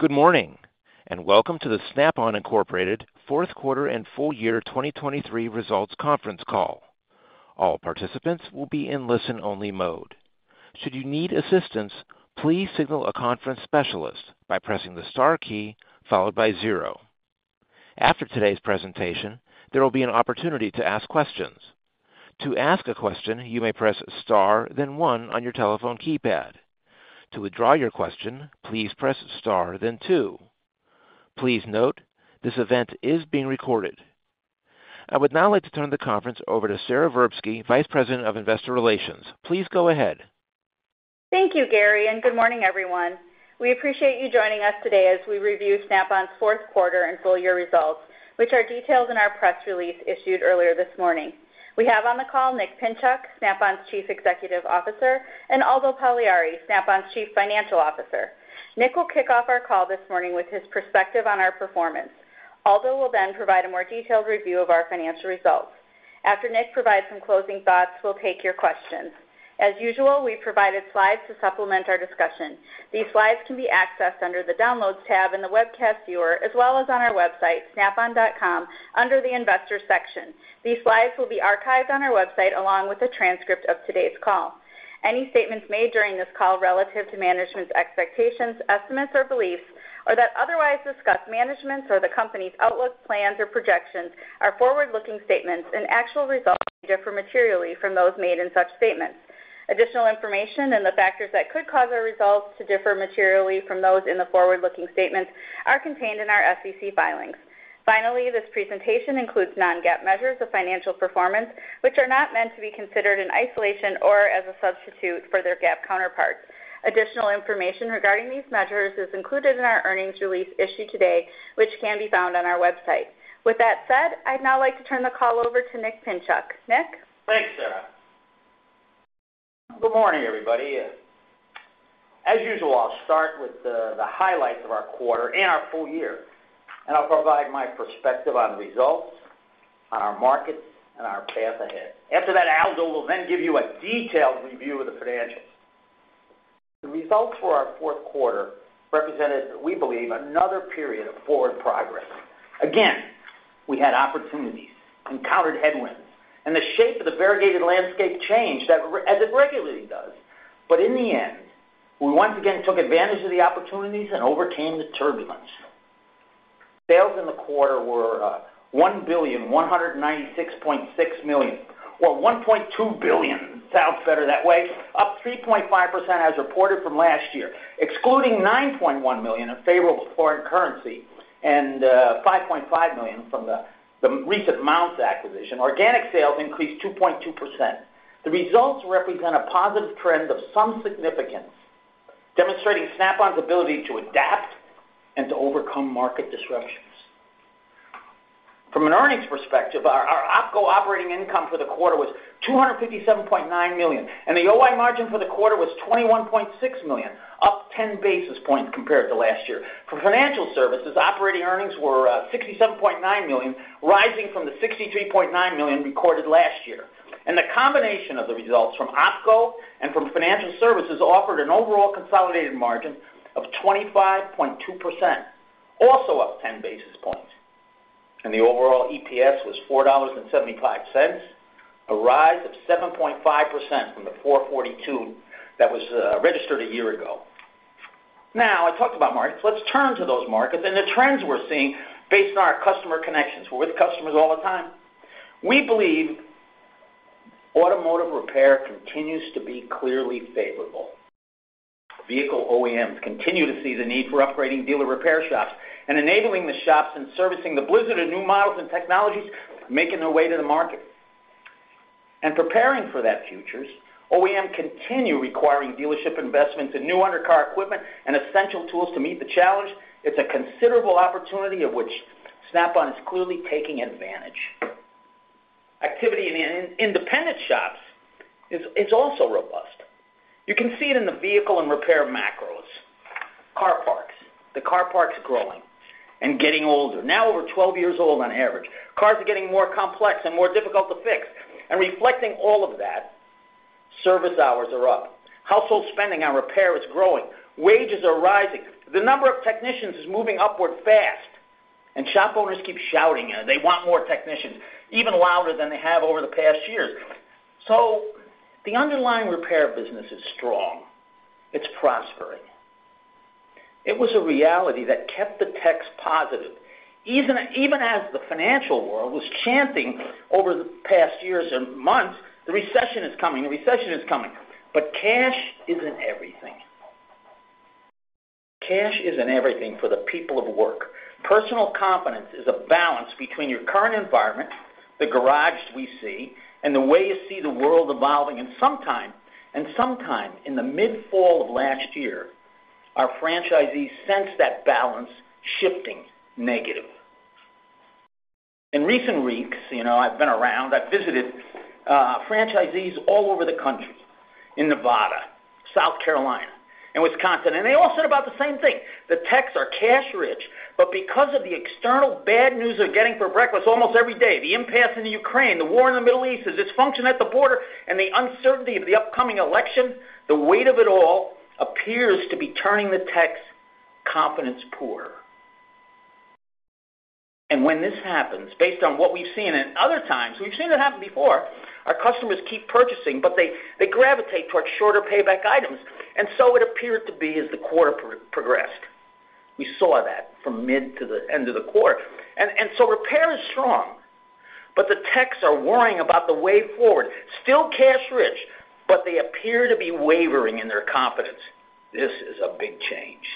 Good morning, and welcome to the Snap-on Incorporated fourth quarter and full-year 2023 results conference Call. All participants will be in listen-only mode. Should you need assistance, please signal a conference specialist by pressing the Star key followed by zero. After today's presentation, there will be an opportunity to ask questions. To ask a question, you may press Star, then one on your telephone keypad. To withdraw your question, please press Star, then two. Please note, this event is being recorded. I would now like to turn the conference over to Sara Verbsky, Vice President, Investor Relations. Please go ahead. Thank you, Gary, and good morning, everyone. We appreciate you joining us today as we review Snap-on's fourth quarter and full-year results, which are detailed in our press release issued earlier this morning. We have on the call Nick Pinchuk, Snap-on's Chief Executive Officer, and Aldo Pagliari, Snap-on's Chief Financial Officer. Nick will kick off our call this morning with his perspective on our performance. Aldo will then provide a more detailed review of our financial results. After Nick provides some closing thoughts, we'll take your questions. As usual, we've provided slides to supplement our discussion. These slides can be accessed under the Downloads tab in the webcast viewer, as well as on our website, snapon.com, under the Investors section. These slides will be archived on our website, along with a transcript of today's call. Any statements made during this call relative to management's expectations, estimates, or beliefs or that otherwise discuss management's or the company's outlook, plans, or projections are forward-looking statements, and actual results may differ materially from those made in such statements. Additional information and the factors that could cause our results to differ materially from those in the forward-looking statements are contained in our SEC filings. Finally, this presentation includes non-GAAP measures of financial performance, which are not meant to be considered in isolation or as a substitute for their GAAP counterparts. Additional information regarding these measures is included in our earnings release issued today, which can be found on our website. With that said, I'd now like to turn the call over to Nick Pinchuk. Nick? Thanks, Sara. Good morning, everybody. As usual, I'll start with the highlights of our quarter and our full-year, and I'll provide my perspective on results, on our markets, and our path ahead. After that, Aldo will then give you a detailed review of the financials. The results for our fourth quarter represented, we believe, another period of forward progress. Again, we had opportunities, encountered headwinds, and the shape of the variegated landscape changed, as it regularly does. But in the end, we once again took advantage of the opportunities and overcame the turbulence. Sales in the quarter were $1,196.6 million, or $1.2 billion, sounds better that way, up 3.5% as reported from last year. Excluding $9.1 million of favorable foreign currency and $5.5 million from the recent Mountz acquisition, organic sales increased 2.2%. The results represent a positive trend of some significance, demonstrating Snap-on's ability to adapt and to overcome market disruptions. From an earnings perspective, our OpCo operating income for the quarter was $257.9 million, and the OI margin for the quarter was $21.6 million, up 10 basis points compared to last year. For financial services, operating earnings were $67.9 million, rising from the $63.9 million recorded last year. And the combination of the results from OpCo and from financial services offered an overall consolidated margin of 25.2%, also up 10 basis points. The overall EPS was $4.75, a rise of 7.5% from the $4.42 that was registered a year ago. Now, I talked about markets. Let's turn to those markets and the trends we're seeing based on our customer connections. We're with customers all the time. We believe automotive repair continues to be clearly favorable. Vehicle OEMs continue to see the need for upgrading dealer repair shops and enabling the shops and servicing the blizzard of new models and technologies making their way to the market. And preparing for that futures, OEM continue requiring dealership investments in new undercar equipment and essential tools to meet the challenge. It's a considerable opportunity of which Snap-on is clearly taking advantage. Activity in independent shops is also robust. You can see it in the vehicle and repair macros. Car parks. The car park's growing and getting older, now over 12 years old on average. Cars are getting more complex and more difficult to fix, and reflecting all of that, service hours are up. Household spending on repair is growing. Wages are rising. The number of technicians is moving upward fast, and shop owners keep shouting, and they want more technicians, even louder than they have over the past years. So the underlying repair business is strong. It's prospering. It was a reality that kept the techs positive, even, even as the financial world was chanting over the past years and months: "The recession is coming, the recession is coming." But cash isn't everything. Cash isn't everything for the people of work. Personal confidence is a balance between your current environment, the garage we see, and the way you see the world evolving. Sometime in the mid-fall of last year, our franchisees sensed that balance shifting negative. In recent weeks, you know, I've been around, I've visited, franchisees all over the country, in Nevada, South Carolina, and Wisconsin, and they all said about the same thing: The techs are cash-rich, but because of the external bad news they're getting for breakfast almost every day, the impasse in the Ukraine, the war in the Middle East, the dysfunction at the border, and the uncertainty of the upcoming election, the weight of it all appears to be turning the techs' confidence poor. And when this happens, based on what we've seen in other times, we've seen it happen before. Our customers keep purchasing, but they, they gravitate towards shorter payback items. And so it appeared to be as the quarter progressed. We saw that from mid to the end of the quarter. So repair is strong, but the techs are worrying about the way forward. Still cash rich, but they appear to be wavering in their confidence. This is a big change.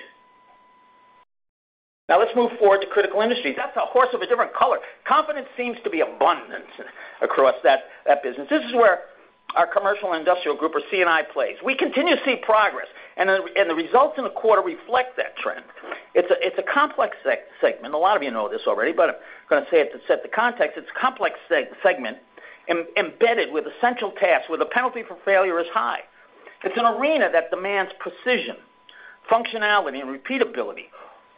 Now let's move forward to critical industries. That's a horse of a different color. Confidence seems to be abundant across that business. This is where our Commercial & Industrial Group, or C&I, plays. We continue to see progress, and the results in the quarter reflect that trend. It's a complex segment. A lot of you know this already, but I'm gonna say it to set the context. It's a complex segment, embedded with essential tasks, where the penalty for failure is high. It's an arena that demands precision, functionality, and repeatability,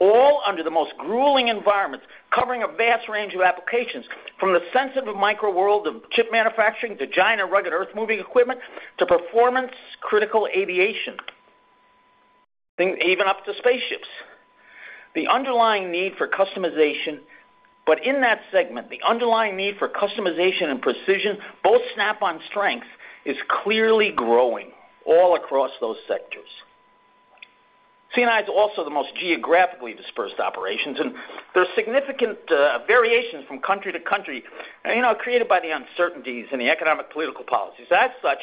all under the most grueling environments, covering a vast range of applications, from the sensitive micro world of chip manufacturing to giant rugged earthmoving equipment to performance-critical aviation, and even up to spaceships. The underlying need for customization, but in that segment, the underlying need for customization and precision, both Snap-on strengths, is clearly growing all across those sectors. C&I is also the most geographically dispersed operations, and there are significant, variations from country to country, you know, created by the uncertainties in the economic, political policies. As such,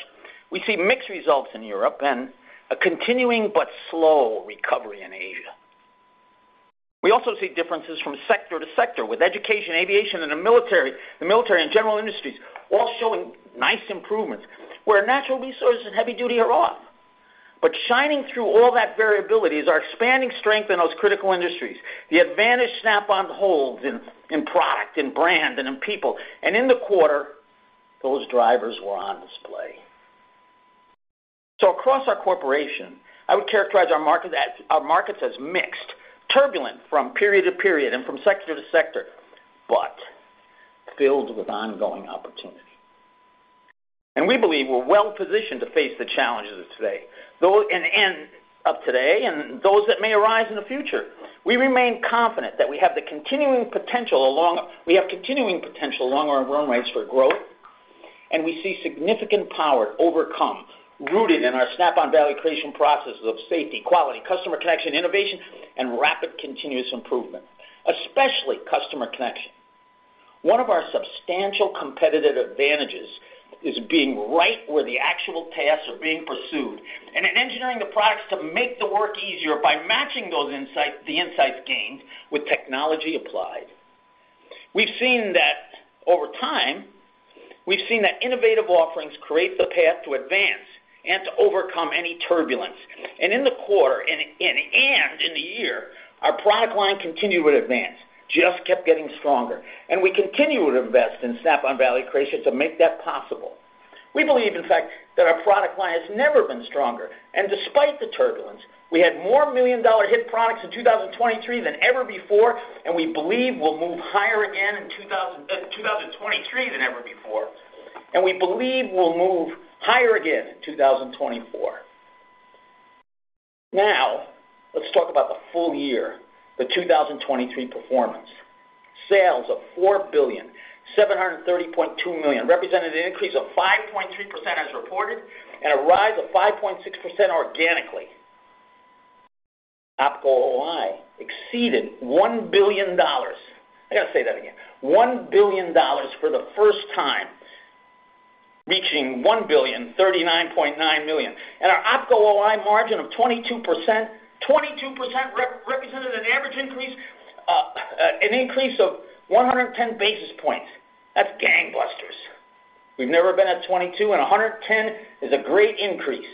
we see mixed results in Europe and a continuing but slow recovery in Asia. We also see differences from sector to sector, with education, aviation, and the military, the military and general industries all showing nice improvements, where natural resources and heavy duty are off. But shining through all that variability is our expanding strength in those critical industries. The advantage Snap-on holds in product, in brand, and in people, and in the quarter, those drivers were on display. So across our corporation, I would characterize our markets as mixed, turbulent from period to period and from sector to sector, but filled with ongoing opportunity. And we believe we're well positioned to face the challenges of today and those that may arise in the future. We remain confident that we have continuing potential along our run rates for growth, and we see significant power overcome, rooted in our Snap-on value creation processes of safety, quality, customer connection, innovation, and rapid continuous improvement, especially customer connection. One of our substantial competitive advantages is being right where the actual tasks are being pursued and in engineering the products to make the work easier by matching those insights, the insights gained, with technology applied. We've seen that over time. We've seen that innovative offerings create the path to advance and to overcome any turbulence. And in the quarter and in the year, our product line continued to advance, just kept getting stronger, and we continue to invest in Snap-on Value Creation to make that possible. We believe, in fact, that our product line has never been stronger, and despite the turbulence, we had more million-dollar hit products in 2023 than ever before, and we believe we'll move higher again in 2023 than ever before, and we believe we'll move higher again in 2024. Now, let's talk about the full-year, the 2023 performance. Sales of $4.732 billion represented an increase of 5.3% as reported, and a rise of 5.6% organically. OpCo OI exceeded $1 billion. I gotta say that again, $1 billion for the first time, reaching $1.039 billion. And our OpCo OI margin of 22%, 22% represented an increase of 110 basis points. That's gangbusters. We've never been at 22, and 110 is a great increase.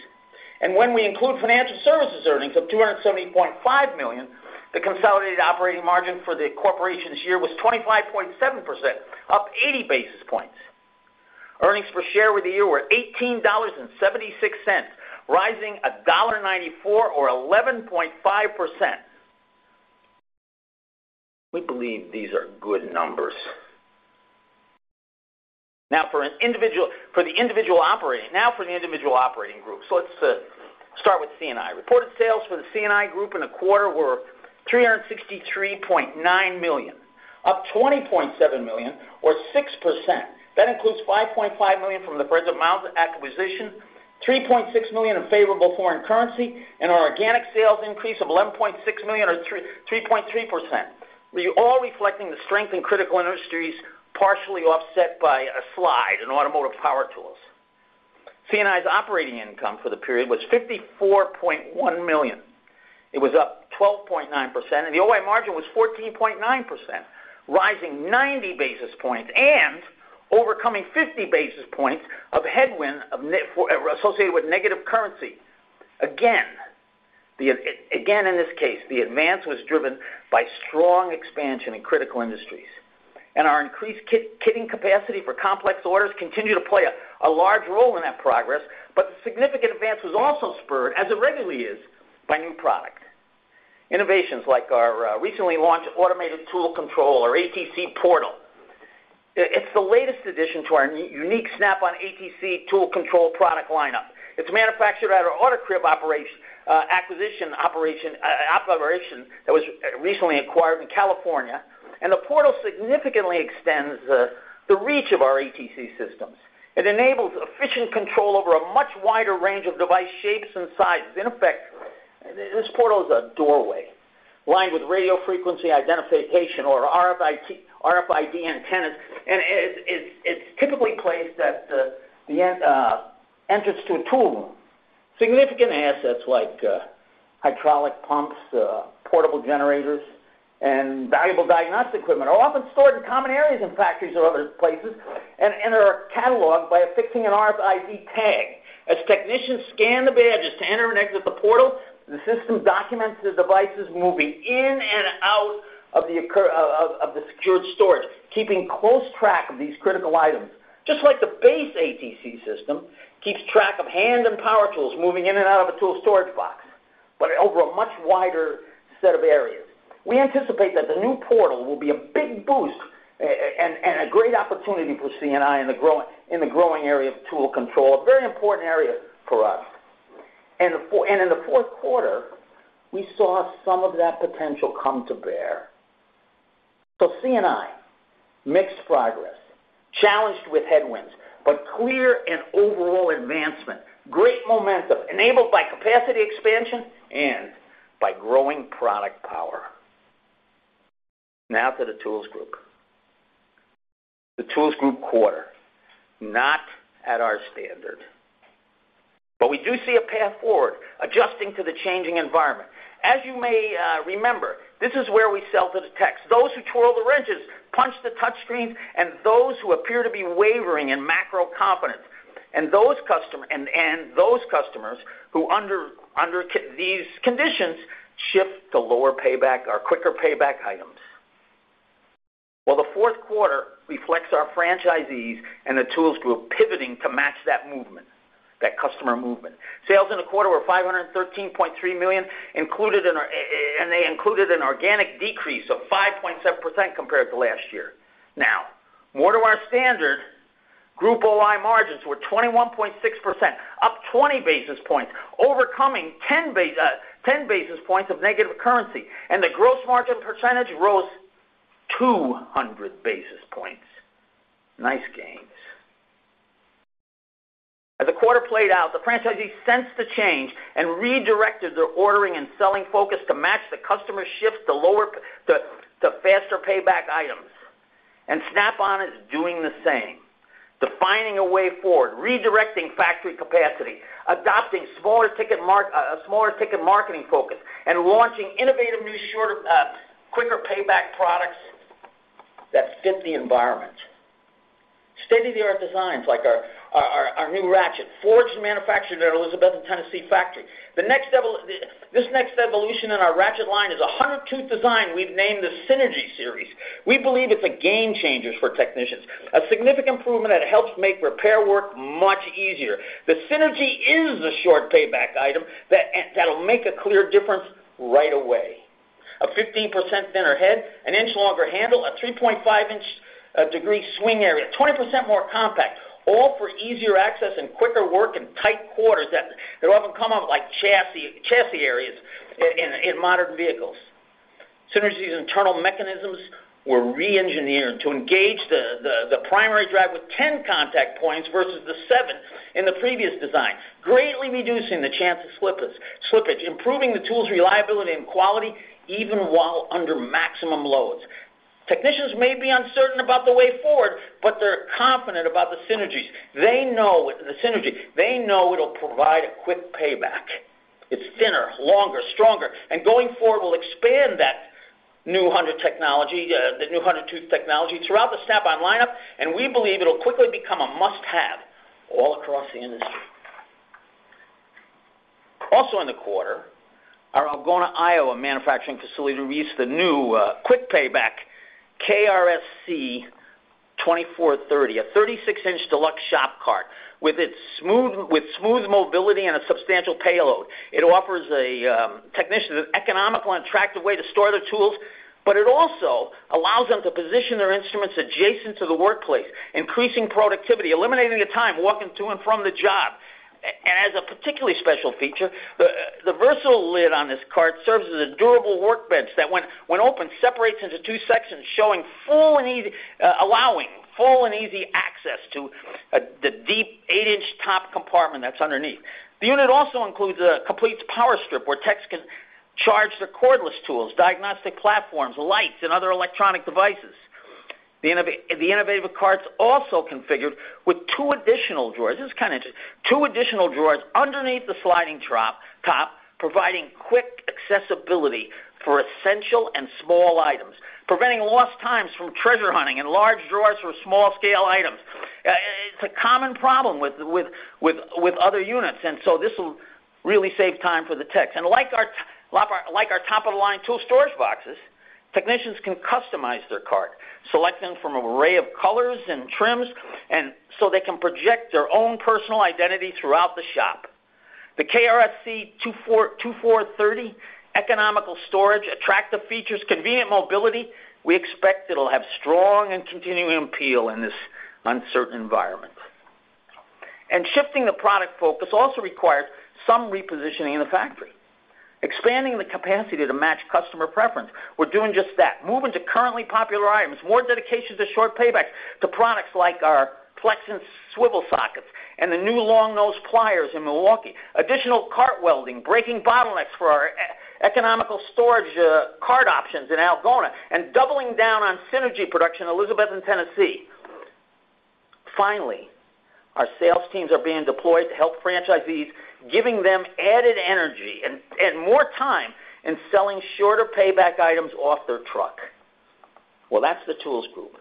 And when we include financial services earnings of $270.5 million, the consolidated operating margin for the corporation this year was 25.7%, up 80 basis points. Earnings per share with the year were $18.76, rising $1.94 or 11.5%. We believe these are good numbers. Now for the individual operating groups. So let's start with C&I. Reported sales for the C&I group in a quarter were $363.9 million, up $20.7 million or 6%. That includes $5.5 m`illion from the recent Mountz acquisition, $3.6 million in favorable foreign currency, and our organic sales increase of $11.6 million or 3.3%. We're all reflecting the strength in critical industries, partially offset by a slide in Automotive Power Tools. C&I's operating income for the period was $54.1 million. It was up 12.9%, and the OI margin was 14.9%, rising 90 basis points and overcoming 50 basis points of headwind of net associated with negative currency. Again, again, in this case, the advance was driven by strong expansion in critical industries, and our increased kitting capacity for complex orders continued to play a large role in that progress, but the significant advance was also spurred, as it regularly is, by new product innovations like our recently launched Automated Tool Control or ATC portal. It's the latest addition to our unique Snap-on ATC tool control product lineup. It's manufactured at our AutoCrib operation, acquisition operation, operation that was recently acquired in California, and the portal significantly extends the reach of our ATC systems. It enables efficient control over a much wider range of device shapes and sizes. In effect, this portal is a doorway lined with radio frequency identification or RFID antennas, and it's typically placed at the entrance to a tool room. Significant assets like hydraulic pumps, portable generators, and valuable diagnostic equipment are often stored in common areas in factories or other places, and are cataloged by affixing an RFID tag. As technicians scan the badges to enter and exit the portal, the system documents the devices moving in and out of the secured storage, keeping close track of these critical items. Just like the base ATC system keeps track of hand and power tools moving in and out of a tool storage box, but over a much wider set of areas. We anticipate that the new portal will be a big boost and a great opportunity for C&I in the growing area of tool control, a very important area for us. And in the fourth quarter, we saw some of that potential come to bear. So C&I, mixed progress, challenged with headwinds, but clear and overall advancement, great momentum, enabled by capacity expansion and by growing product power. Now to the Tools Group. The Tools Group quarter, not at our standard, but we do see a path forward, adjusting to the changing environment. As you may remember, this is where we sell to the techs, those who twirl the wrenches, punch the touchscreens, and those who appear to be wavering in macro confidence, and those customers who under these conditions, shift to lower payback or quicker payback items. Well, the fourth quarter reflects our franchisees and the Tools Group pivoting to match that movement, that customer movement. Sales in the quarter were $513.3 million, included in our. And they included an organic decrease of 5.7% compared to last year. Now, more to our standard, group OI margins were 21.6%, up 20 basis points, overcoming 10 basis points of negative currency, and the gross margin percentage rose 200 basis points. Nice gains. As the quarter played out, the franchisees sensed the change and redirected their ordering and selling focus to match the customer shifts to lower- to faster payback items. Snap-on is doing the same, defining a way forward, redirecting factory capacity, adopting smaller ticket marketing focus, and launching innovative, new, shorter, quicker payback products that fit the environment. State-of-the-art designs like our new ratchet, forged and manufactured at our Elizabethton, Tennessee, factory. This next evolution in our ratchet line is a 100-tooth design we've named the Synergy Series. We believe it's a game changer for technicians, a significant improvement that helps make repair work much easier. The Synergy is a short payback item that'll make a clear difference right away. A 15% thinner head, an inch longer handle, a 3.5-degree swing area, 20% more compact, all for easier access and quicker work in tight quarters that often come up, like chassis areas in modern vehicles. Synergy's internal mechanisms were reengineered to engage the primary drive with 10 contact points versus the 7 in the previous design, greatly reducing the chance of slippage, improving the tool's reliability and quality, even while under maximum loads. Technicians may be uncertain about the way forward, but they're confident about the Synergy. They know the Synergy. They know it'll provide a quick payback. It's thinner, longer, stronger, and going forward, we'll expand that new 100-tooth technology, the new 100-tooth technology, throughout the Snap-on lineup, and we believe it'll quickly become a must-have all across the industry. Also in the quarter, our Algona, Iowa, manufacturing facility released the new quick payback KRSC2430, a 36-inch deluxe shop cart. With its smooth mobility and a substantial payload, it offers a technician an economical and attractive way to store their tools, but it also allows them to position their instruments adjacent to the workplace, increasing productivity, eliminating the time walking to and from the job. And as a particularly special feature, the versatile lid on this cart serves as a durable workbench that when opened, separates into two sections, allowing full and easy access to the deep 8-inch top compartment that's underneath. The unit also includes a complete power strip, where techs can charge their cordless tools, diagnostic platforms, lights, and other electronic devices. The innovative cart's also configured with two additional drawers, this is kind of interesting, two additional drawers underneath the sliding drop-top, providing quick accessibility for essential and small items, preventing lost times from treasure hunting in large drawers for small-scale items. It's a common problem with other units, and so this will really save time for the techs. Like our top-of-the-line tool storage boxes, technicians can customize their cart, select them from an array of colors and trims, and so they can project their own personal identity throughout the shop. The KRSC2430, economical storage, attractive features, convenient mobility. We expect it'll have strong and continuing appeal in this uncertain environment. Shifting the product focus also requires some repositioning in the factory, expanding the capacity to match customer preference. We're doing just that. Moving to currently popular items, more dedication to short payback to products like our flex and swivel sockets and the new long nose pliers in Milwaukee. Additional cart welding, breaking bottlenecks for our economical storage cart options in Algona, and doubling down on synergy production in Elizabethton, Tennessee. Finally, our sales teams are being deployed to help franchisees, giving them added energy and more time in selling shorter payback items off their truck. Well, that's the Tools Group.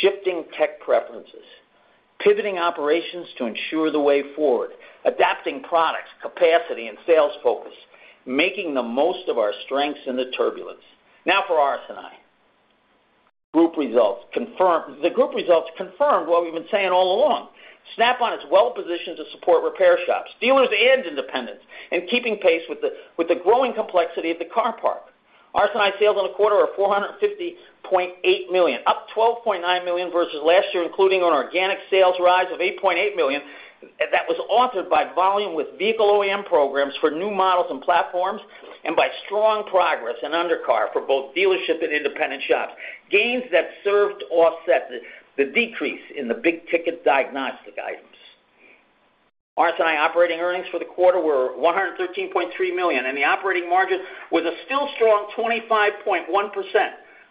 Shifting tech preferences, pivoting operations to ensure the way forward, adapting products, capacity and sales focus, making the most of our strengths in the turbulence. Now for RS&I. Group results confirm— The group results confirm what we've been saying all along. Snap-on is well positioned to support repair shops, dealers and independents, and keeping pace with the growing complexity of the car park. RS&I sales in the quarter are $450.8 million, up $12.9 million versus last year, including an organic sales rise of $8.8 million. That was authored by volume with vehicle OEM programs for new models and platforms, and by strong progress in undercar for both dealership and independent shops, gains that served to offset the decrease in the big-ticket diagnostic items. RS&I operating earnings for the quarter were $113.3 million, and the operating margin was a still strong 25.1%,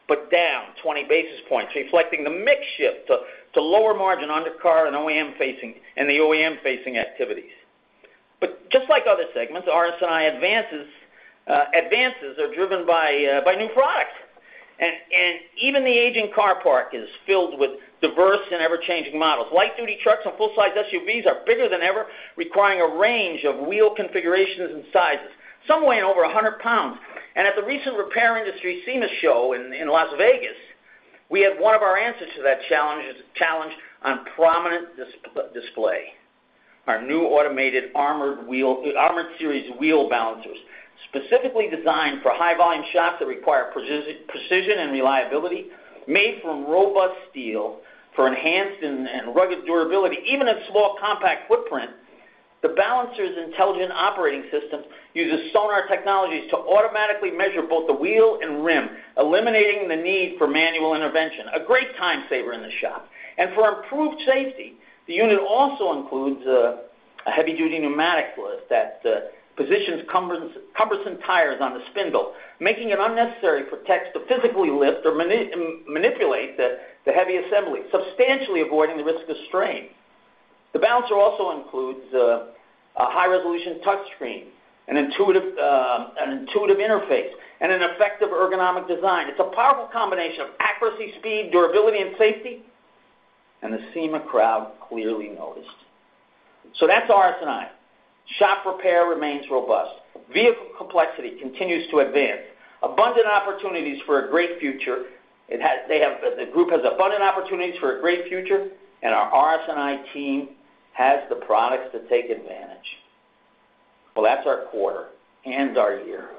but down 20 basis points, reflecting the mix shift to lower margin undercar and OEM-facing and the OEM-facing activities. But just like other segments, the RS&I advances are driven by new products. And even the aging car park is filled with diverse and ever-changing models. Light-duty trucks and full-size SUVs are bigger than ever, requiring a range of wheel configurations and sizes, some weighing over 100 pounds. And at the recent Repair Industry SEMA Show in Las Vegas, we had one of our answers to that challenge on prominent display. Our new automated Armored Series wheel balancers, specifically designed for high-volume shops that require precision and reliability, made from robust steel for enhanced and rugged durability, even a small compact footprint. The balancer's intelligent operating system uses sensor technologies to automatically measure both the wheel and rim, eliminating the need for manual intervention, a great time saver in the shop. And for improved safety, the unit also includes a heavy-duty pneumatic lift that positions cumbersome tires on the spindle, making it unnecessary for techs to physically lift or manipulate the heavy assembly, substantially avoiding the risk of strain. The balancer also includes a high-resolution touchscreen, an intuitive interface, and an effective ergonomic design. It's a powerful combination of accuracy, speed, durability, and safety, and the SEMA crowd clearly noticed. So that's RS&I. Shop repair remains robust. Vehicle complexity continues to advance. Abundant opportunities for a great future. The group has abundant opportunities for a great future, and our RS&I team has the products to take advantage. Well, that's our quarter and our year.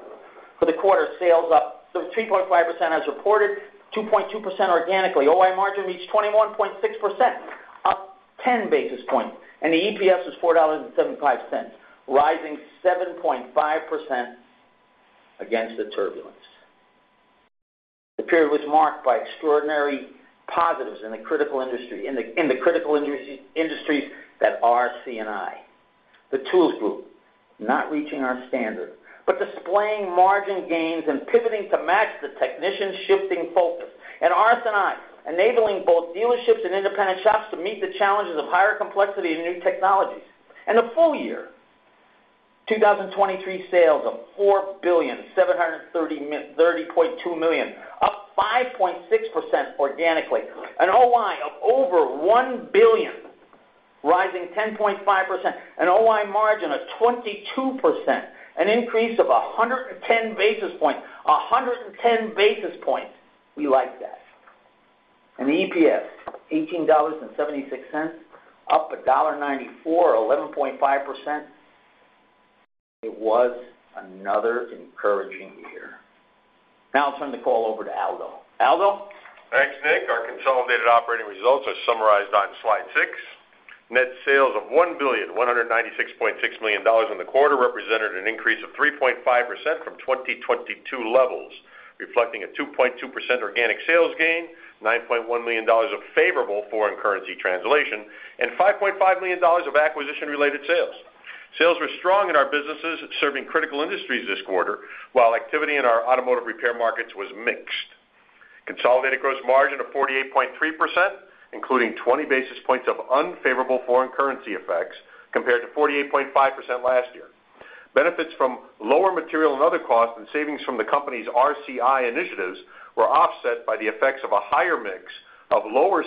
For the quarter, sales up 3.5% as reported, 2.2% organically. OI margin reached 21.6%, up 10 basis points, and the EPS is $4.75, rising 7.5% against the turbulence. The period was marked by extraordinary positives in the critical industry, in the critical industries that are C&I. The Tools Group, not reaching our standard, but displaying margin gains and pivoting to match the technician's shifting focus. And RS&I, enabling both dealerships and independent shops to meet the challenges of higher complexity and new technologies. And the full-year, 2023 sales of $4,730.2 million, up 5.6% organically. An OI of over $1 billion, rising 10.5%. An OI margin of 22%, an increase of 110 basis points. 110 basis points. We like that. The EPS, $18.76, up $1.94, or 11.5%. It was another encouraging year. Now I'll turn the call over to Aldo. Aldo? Thanks, Nick. Our consolidated operating results are summarized on Slide 6. Net sales of $1,196.6 million in the quarter represented an increase of 3.5% from 2022 levels, reflecting a 2.2% organic sales gain, $9.1 million of favorable foreign currency translation, and $5.5 million of acquisition-related sales. Sales were strong in our businesses serving critical industries this quarter, while activity in our automotive repair markets was mixed. Consolidated gross margin of 48.3%, including 20 basis points of unfavorable foreign currency effects, compared to 48.5% last year. Benefits from lower material and other costs and savings from the company's RCI initiatives were offset by the effects of a higher mix of lower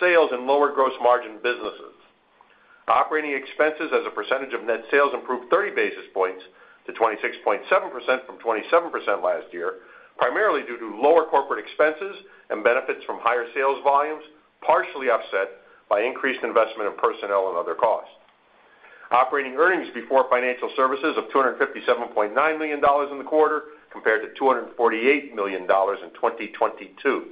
sales and lower gross margin businesses. Operating expenses as a percentage of net sales improved 30 basis points to 26.7% from 27% last year, primarily due to lower corporate expenses and benefits from higher sales volumes, partially offset by increased investment in personnel and other costs. Operating earnings before financial services of $257.9 million in the quarter compared to $248 million in 2022.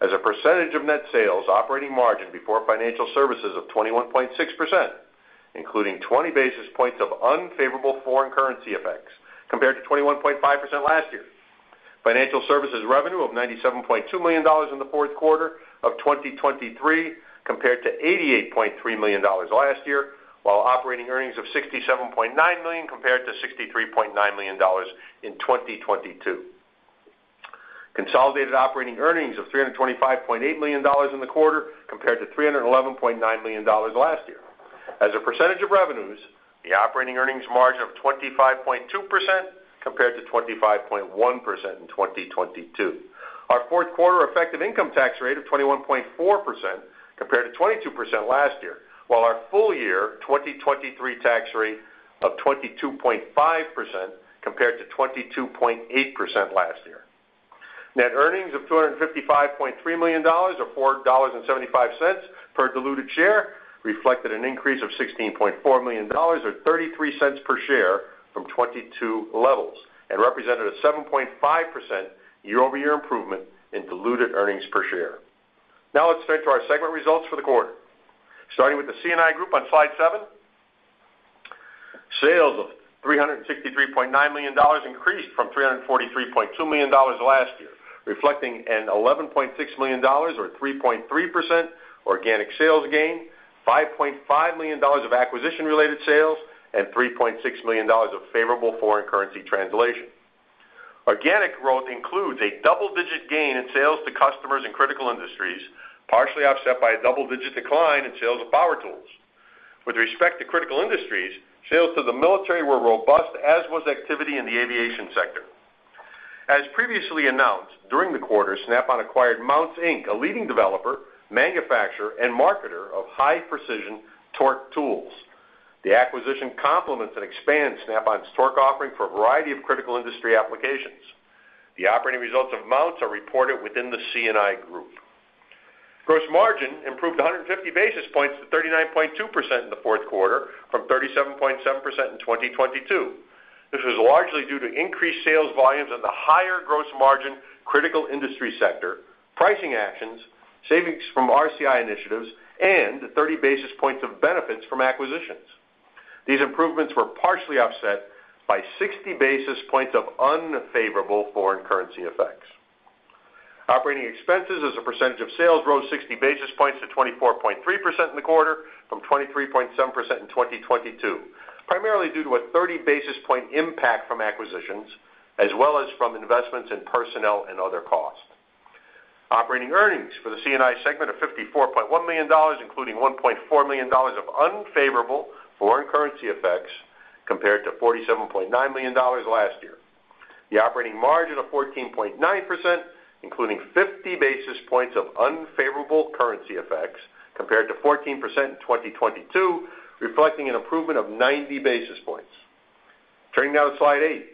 As a percentage of net sales, operating margin before financial services of 21.6%, including 20 basis points of unfavorable foreign currency effects, compared to 21.5% last year. Financial services revenue of $97.2 million in the fourth quarter of 2023, compared to $88.3 million last year, while operating earnings of $67.9 million compared to $63.9 million in 2022. Consolidated operating earnings of $325.8 million in the quarter, compared to $311.9 million last year. As a percentage of revenues, the operating earnings margin of 25.2% compared to 25.1% in 2022. Our fourth quarter effective income tax rate of 21.4% compared to 22% last year, while our full-year 2023 tax rate of 22.5% compared to 22.8% last year. Net earnings of $255.3 million, or $4.75 per diluted share, reflected an increase of $16.4 million, or $0.33 per share from 2022 levels, and represented a 7.5% year-over-year improvement in diluted earnings per share. Now let's turn to our segment results for the quarter. Starting with the C&I Group on Slide 7, sales of $363.9 million increased from $343.2 million last year, reflecting an $11.6 million or 3.3% organic sales gain, $5.5 million of acquisition-related sales, and $3.6 million of favorable foreign currency translation. Organic growth includes a double-digit gain in sales to customers in critical industries, partially offset by a double-digit decline in sales of power tools. With respect to critical industries, sales to the military were robust, as was activity in the aviation sector. As previously announced, during the quarter, Snap-on acquired Mountz, Inc., a leading developer, manufacturer, and marketer of high-precision torque tools. The acquisition complements and expands Snap-on's torque offering for a variety of critical industry applications. The operating results of Mountz are reported within the C&I Group. Gross margin improved 150 basis points to 39.2% in the fourth quarter from 37.7% in 2022. This was largely due to increased sales volumes in the higher gross margin critical industry sector, pricing actions, savings from RCI initiatives, and 30 basis points of benefits from acquisitions. These improvements were partially offset by 60 basis points of unfavorable foreign currency effects. Operating expenses as a percentage of sales rose 60 basis points to 24.3% in the quarter from 23.7% in 2022, primarily due to a 30 basis point impact from acquisitions, as well as from investments in personnel and other costs. Operating earnings for the C&I segment of $54.1 million, including $1.4 million of unfavorable foreign currency effects, compared to $47.9 million last year. The operating margin of 14.9%, including 50 basis points of unfavorable currency effects, compared to 14% in 2022, reflecting an improvement of 90 basis points. Turning now to Slide 8.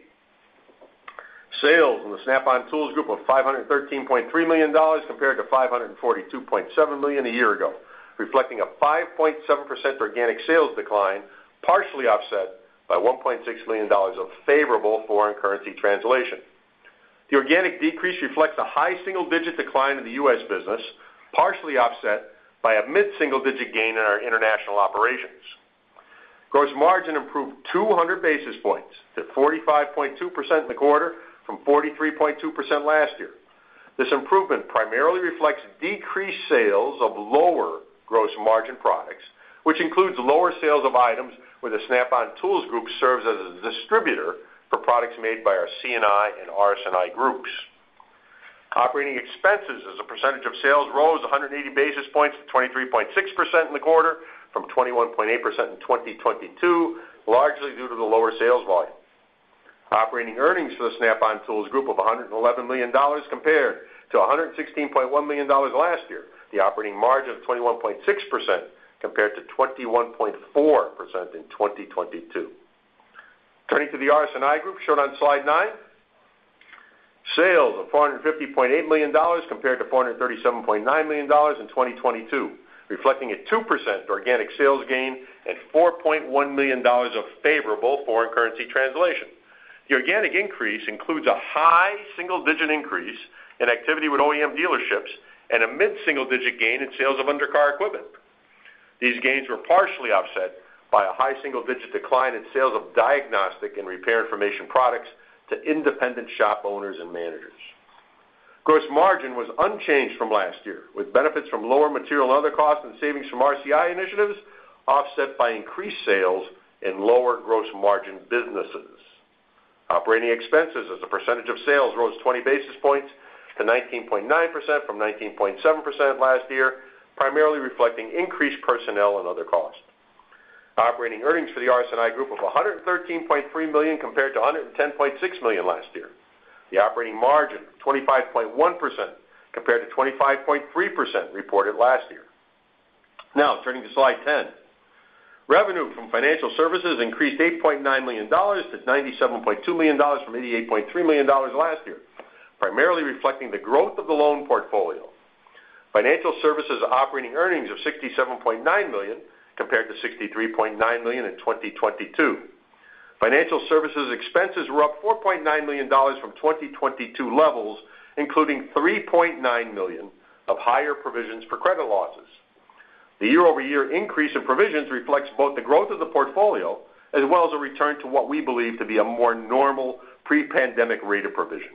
Sales in the Snap-on Tools Group of $513.3 million compared to $542.7 million a year ago, reflecting a 5.7% organic sales decline, partially offset by $1.6 million of favorable foreign currency translation. The organic decrease reflects a high single-digit decline in the U.S. business, partially offset by a mid-single-digit gain in our international operations. Gross margin improved 200 basis points to 45.2% in the quarter from 43.2% last year. This improvement primarily reflects decreased sales of lower gross margin products, which includes lower sales of items where the Snap-on Tools Group serves as a distributor for products made by our C&I and RS&I groups. Operating expenses as a percentage of sales rose 180 basis points to 23.6% in the quarter from 21.8% in 2022, largely due to the lower sales volume. Operating earnings for the Snap-on Tools Group of $111 million compared to $116.1 million last year. The operating margin of 21.6% compared to 21.4% in 2022. Turning to the RS&I Group, shown on Slide 9, sales of $450.8 million compared to $437.9 million in 2022, reflecting a 2% organic sales gain and $4.1 million of favorable foreign currency translation. The organic increase includes a high single-digit increase in activity with OEM dealerships and a mid-single digit gain in sales of undercar equipment. These gains were partially offset by a high single-digit decline in sales of diagnostic and repair information products to independent shop owners and managers. Gross margin was unchanged from last year, with benefits from lower material and other costs and savings from RCI initiatives offset by increased sales in lower gross margin businesses. Operating expenses as a percentage of sales rose 20 basis points to 19.9% from 19.7% last year, primarily reflecting increased personnel and other costs. Operating earnings for the RS&I Group of $113.3 million compared to $110.6 million last year. The operating margin, 25.1%, compared to 25.3% reported last year. Now, turning to Slide 10. Revenue from financial services increased $8.9 million to $97.2 million from $88.3 million last year, primarily reflecting the growth of the loan portfolio. Financial services operating earnings of $67.9 million, compared to $63.9 million in 2022. Financial services expenses were up $4.9 million from 2022 levels, including $3.9 million of higher provisions for credit losses. The year-over-year increase in provisions reflects both the growth of the portfolio as well as a return to what we believe to be a more normal pre-pandemic rate of provision.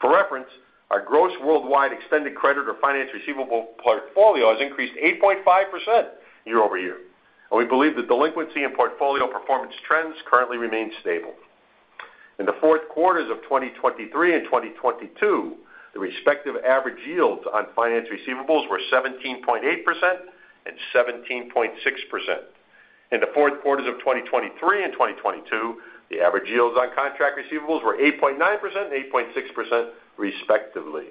For reference, our gross worldwide extended credit or finance receivable portfolio has increased 8.5% year-over-year, and we believe that delinquency and portfolio performance trends currently remain stable. In the fourth quarters of 2023 and 2022, the respective average yields on finance receivables were 17.8% and 17.6%. In the fourth quarters of 2023 and 2022, the average yields on contract receivables were 8.9% and 8.6%, respectively.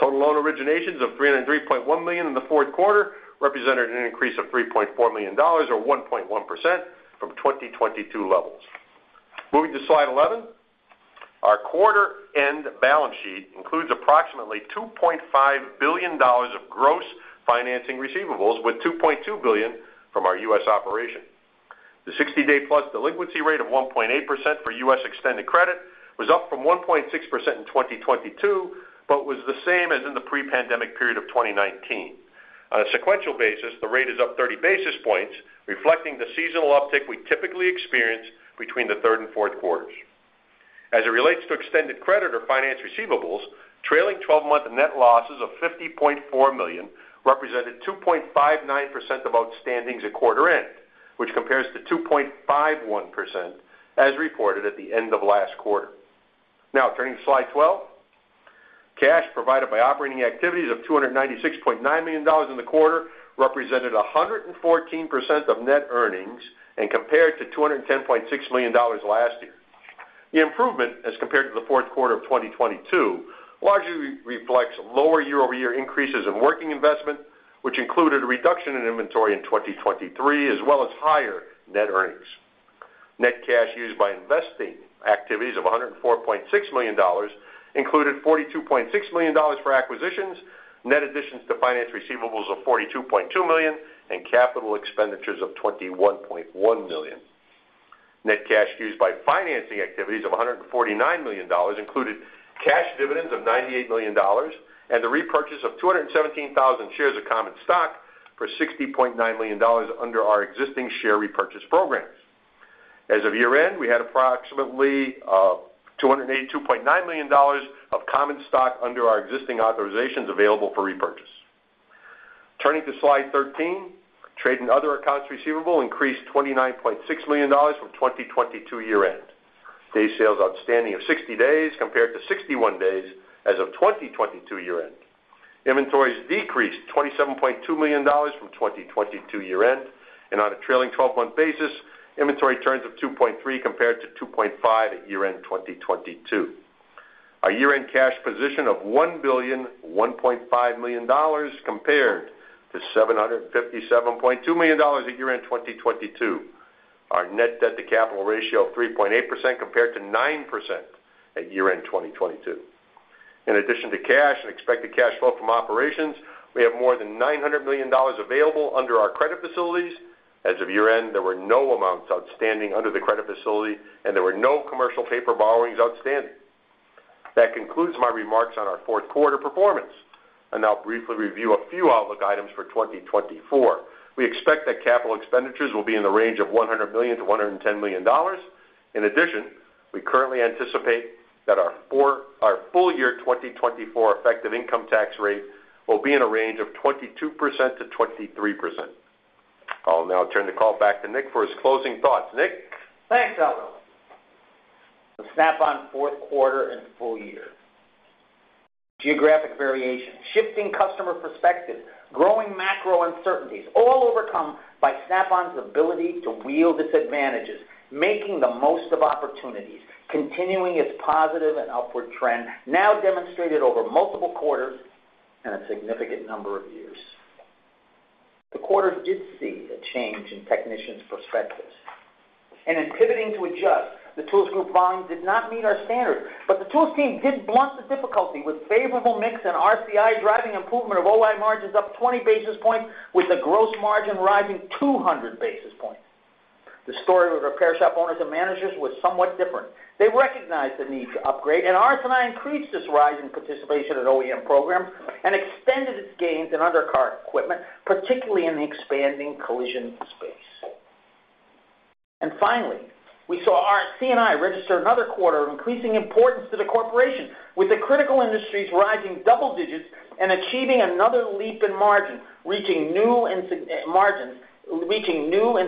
Total loan originations of $303.1 million in the fourth quarter represented an increase of $3.4 million, or 1.1%, from 2022 levels. Moving to Slide 11. Our quarter-end balance sheet includes approximately $2.5 billion of gross financing receivables, with $2.2 billion from our U.S. operation. The 60-day+ delinquency rate of 1.8% for U.S. extended credit was up from 1.6% in 2022, but was the same as in the pre-pandemic period of 2019. On a sequential basis, the rate is up 30 basis points, reflecting the seasonal uptick we typically experience between the third and fourth quarters. As it relates to extended credit or finance receivables, trailing twelve-month net losses of $50.4 million represented 2.59% of outstandings at quarter end, which compares to 2.51% as reported at the end of last quarter. Now, turning to Slide 12. Cash provided by operating activities of $296.9 million in the quarter, represented 114% of net earnings and compared to $210.6 million last year. The improvement, as compared to the fourth quarter of 2022, largely reflects lower year-over-year increases in working investment, which included a reduction in inventory in 2023, as well as higher net earnings. Net cash used by investing activities of $104.6 million included $42.6 million for acquisitions, net additions to finance receivables of $42.2 million, and capital expenditures of $21.1 million. Net cash used by financing activities of $149 million included cash dividends of $98 million and the repurchase of 217,000 shares of common stock for $60.9 million under our existing share repurchase programs. As of year-end, we had approximately $282.9 million of common stock under our existing authorizations available for repurchase. Turning to Slide 13, trade and other accounts receivable increased $29.6 million from 2022 year-end. Days sales outstanding of 60 days, compared to 61 days as of 2022 year-end. Inventories decreased $27.2 million from 2022 year-end, and on a trailing twelve-month basis, inventory turns of 2.3 compared to 2.5 at year-end 2022. Our year-end cash position of $1,001.5 million compared to $757.2 million at year-end 2022. Our net debt to capital ratio of 3.8% compared to 9% at year-end 2022. In addition to cash and expected cash flow from operations, we have more than $900 million available under our credit facilities. As of year-end, there were no amounts outstanding under the credit facility, and there were no commercial paper borrowings outstanding. That concludes my remarks on our fourth quarter performance. I'll now briefly review a few outlook items for 2024. We expect that capital expenditures will be in the range of $100 million-$110 million. In addition, we currently anticipate that our full-year 2024 effective income tax rate will be in a range of 22%-23%. I'll now turn the call back to Nick for his closing thoughts. Nick? Thanks, Ald-. The Snap-on fourth quarter and full year. Geographic variation, shifting customer perspectives, growing macro uncertainties, all overcome by Snap-on's ability to wield its advantages, making the most of opportunities, continuing its positive and upward trend, now demonstrated over multiple quarters and a significant number of years. The quarter did see a change in technicians' perspectives, and in pivoting to adjust, the Tools Group volume did not meet our standard. But the tools team did blunt the difficulty with favorable mix and RCI, driving improvement of OI margins up 20 basis points, with the gross margin rising 200 basis points. The story with repair shop owners and managers was somewhat different. They recognized the need to upgrade, and RS&I increased this rise in participation at OEM program and extended its gains in undercar equipment, particularly in the expanding collision space. Finally, we saw RS&I register another quarter of increasing importance to the corporation, with the critical industries rising double digits and achieving another leap in margin, reaching new and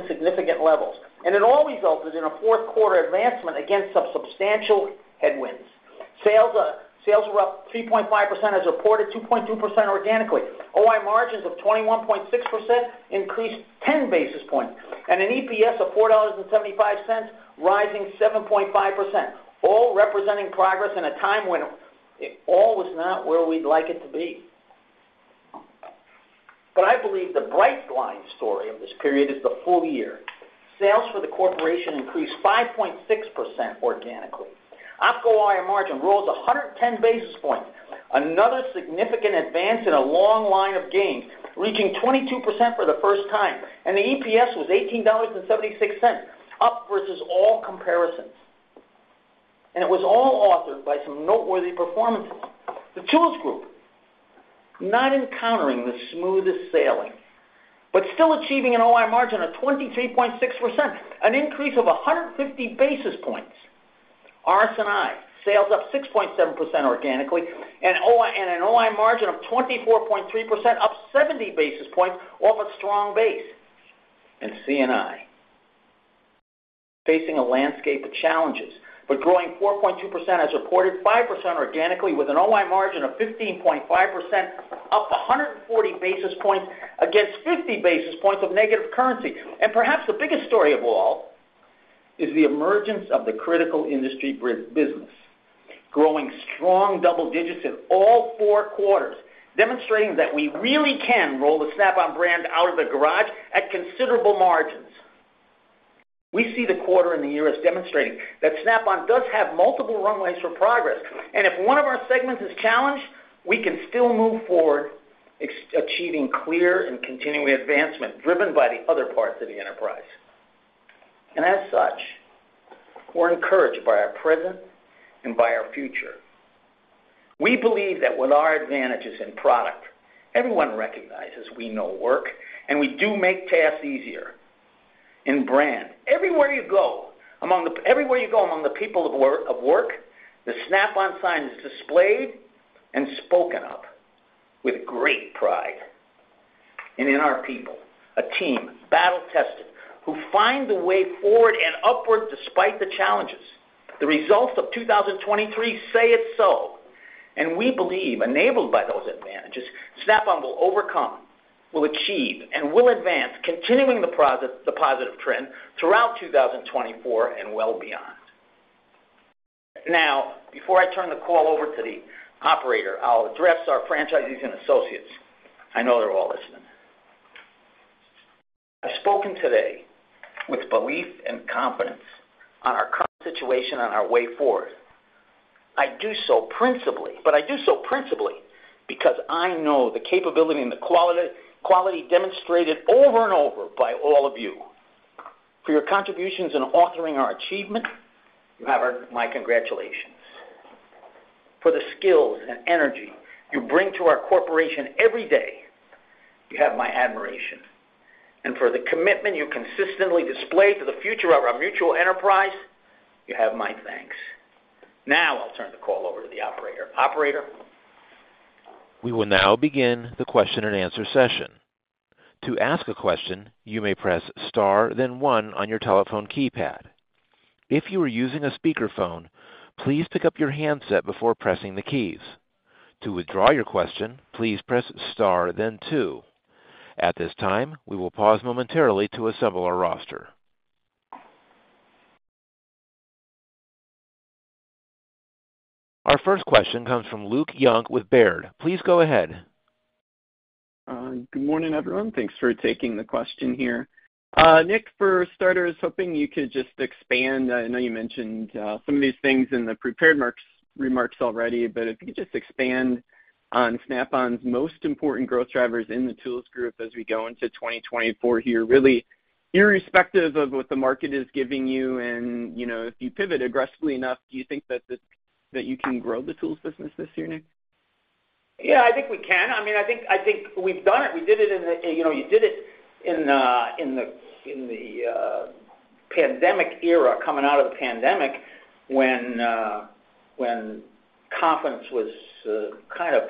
significant levels. It all resulted in a fourth quarter advancement against some substantial headwinds. Sales were up 3.5%, as reported, 2.2% organically. OI margins of 21.6% increased ten basis points, and an EPS of $4.75, rising 7.5%, all representing progress in a time when it all was not where we'd like it to be. But I believe the bright line story of this period is the full-year. Sales for the corporation increased 5.6% organically. OpCo OI margin rose 110 basis points, another significant advance in a long line of gains, reaching 22% for the first time, and the EPS was $18.76, up versus all comparisons. It was all authored by some noteworthy performances. The Tools Group, not encountering the smoothest sailing, but still achieving an OI margin of 23.6%, an increase of 150 basis points. RS&I, sales up 6.7% organically and OI and an OI margin of 24.3%, up 70 basis points off a strong base. C&I, facing a landscape of challenges, but growing 4.2% as reported, 5% organically, with an OI margin of 15.5%, up 140 basis points against 50 basis points of negative currency. Perhaps the biggest story of all is the emergence of the critical industry grid business, growing strong double digits in all four quarters, demonstrating that we really can roll the Snap-on brand out of the garage at considerable margins. We see the quarter and the year as demonstrating that Snap-on does have multiple runways for progress, and if one of our segments is challenged, we can still move forward, achieving clear and continuing advancement, driven by the other parts of the enterprise. As such, we're encouraged by our present and by our future. We believe that with our advantages in product, everyone recognizes we know work, and we do make tasks easier. In brand, everywhere you go among the people of work, the Snap-on sign is displayed and spoken of with great pride. In our people, a team battle-tested, who find the way forward and upward despite the challenges. The results of 2023 say it so, and we believe, enabled by those advantages, Snap-on will overcome, will achieve, and will advance, continuing the positive trend throughout 2024 and well beyond. Now, before I turn the call over to the operator, I'll address our franchisees and associates. I know they're all listening. I've spoken today with belief and confidence on our current situation and our way forward. I do so principally, but I do so principally because I know the capability and the quality, quality demonstrated over and over by all of you. For your contributions in authoring our achievement, you have our, my congratulations. For the skills and energy you bring to our corporation every day, you have my admiration. For the commitment you consistently display to the future of our mutual enterprise, you have my thanks. Now, I'll turn the call over to the operator. Operator? We will now begin the question-and-answer session. To ask a question, you may press Star, then one on your telephone keypad. If you are using a speakerphone, please pick up your handset before pressing the keys. To withdraw your question, please press Star then two. At this time, we will pause momentarily to assemble our roster. Our first question comes from Luke Junk with Baird. Please go ahead. Good morning, everyone. Thanks for taking the question here. Nick, for starters, hoping you could just expand. I know you mentioned some of these things in the prepared remarks already, but if you could just expand on Snap-on's most important growth drivers in the Tools Group as we go into 2024 here, really irrespective of what the market is giving you and, you know, if you pivot aggressively enough, do you think that this, that you can grow the tools business this year, Nick? Yeah, I think we can. I mean, I think, I think we've done it. We did it in the, you know, in the pandemic era, coming out of the pandemic, when confidence was kind of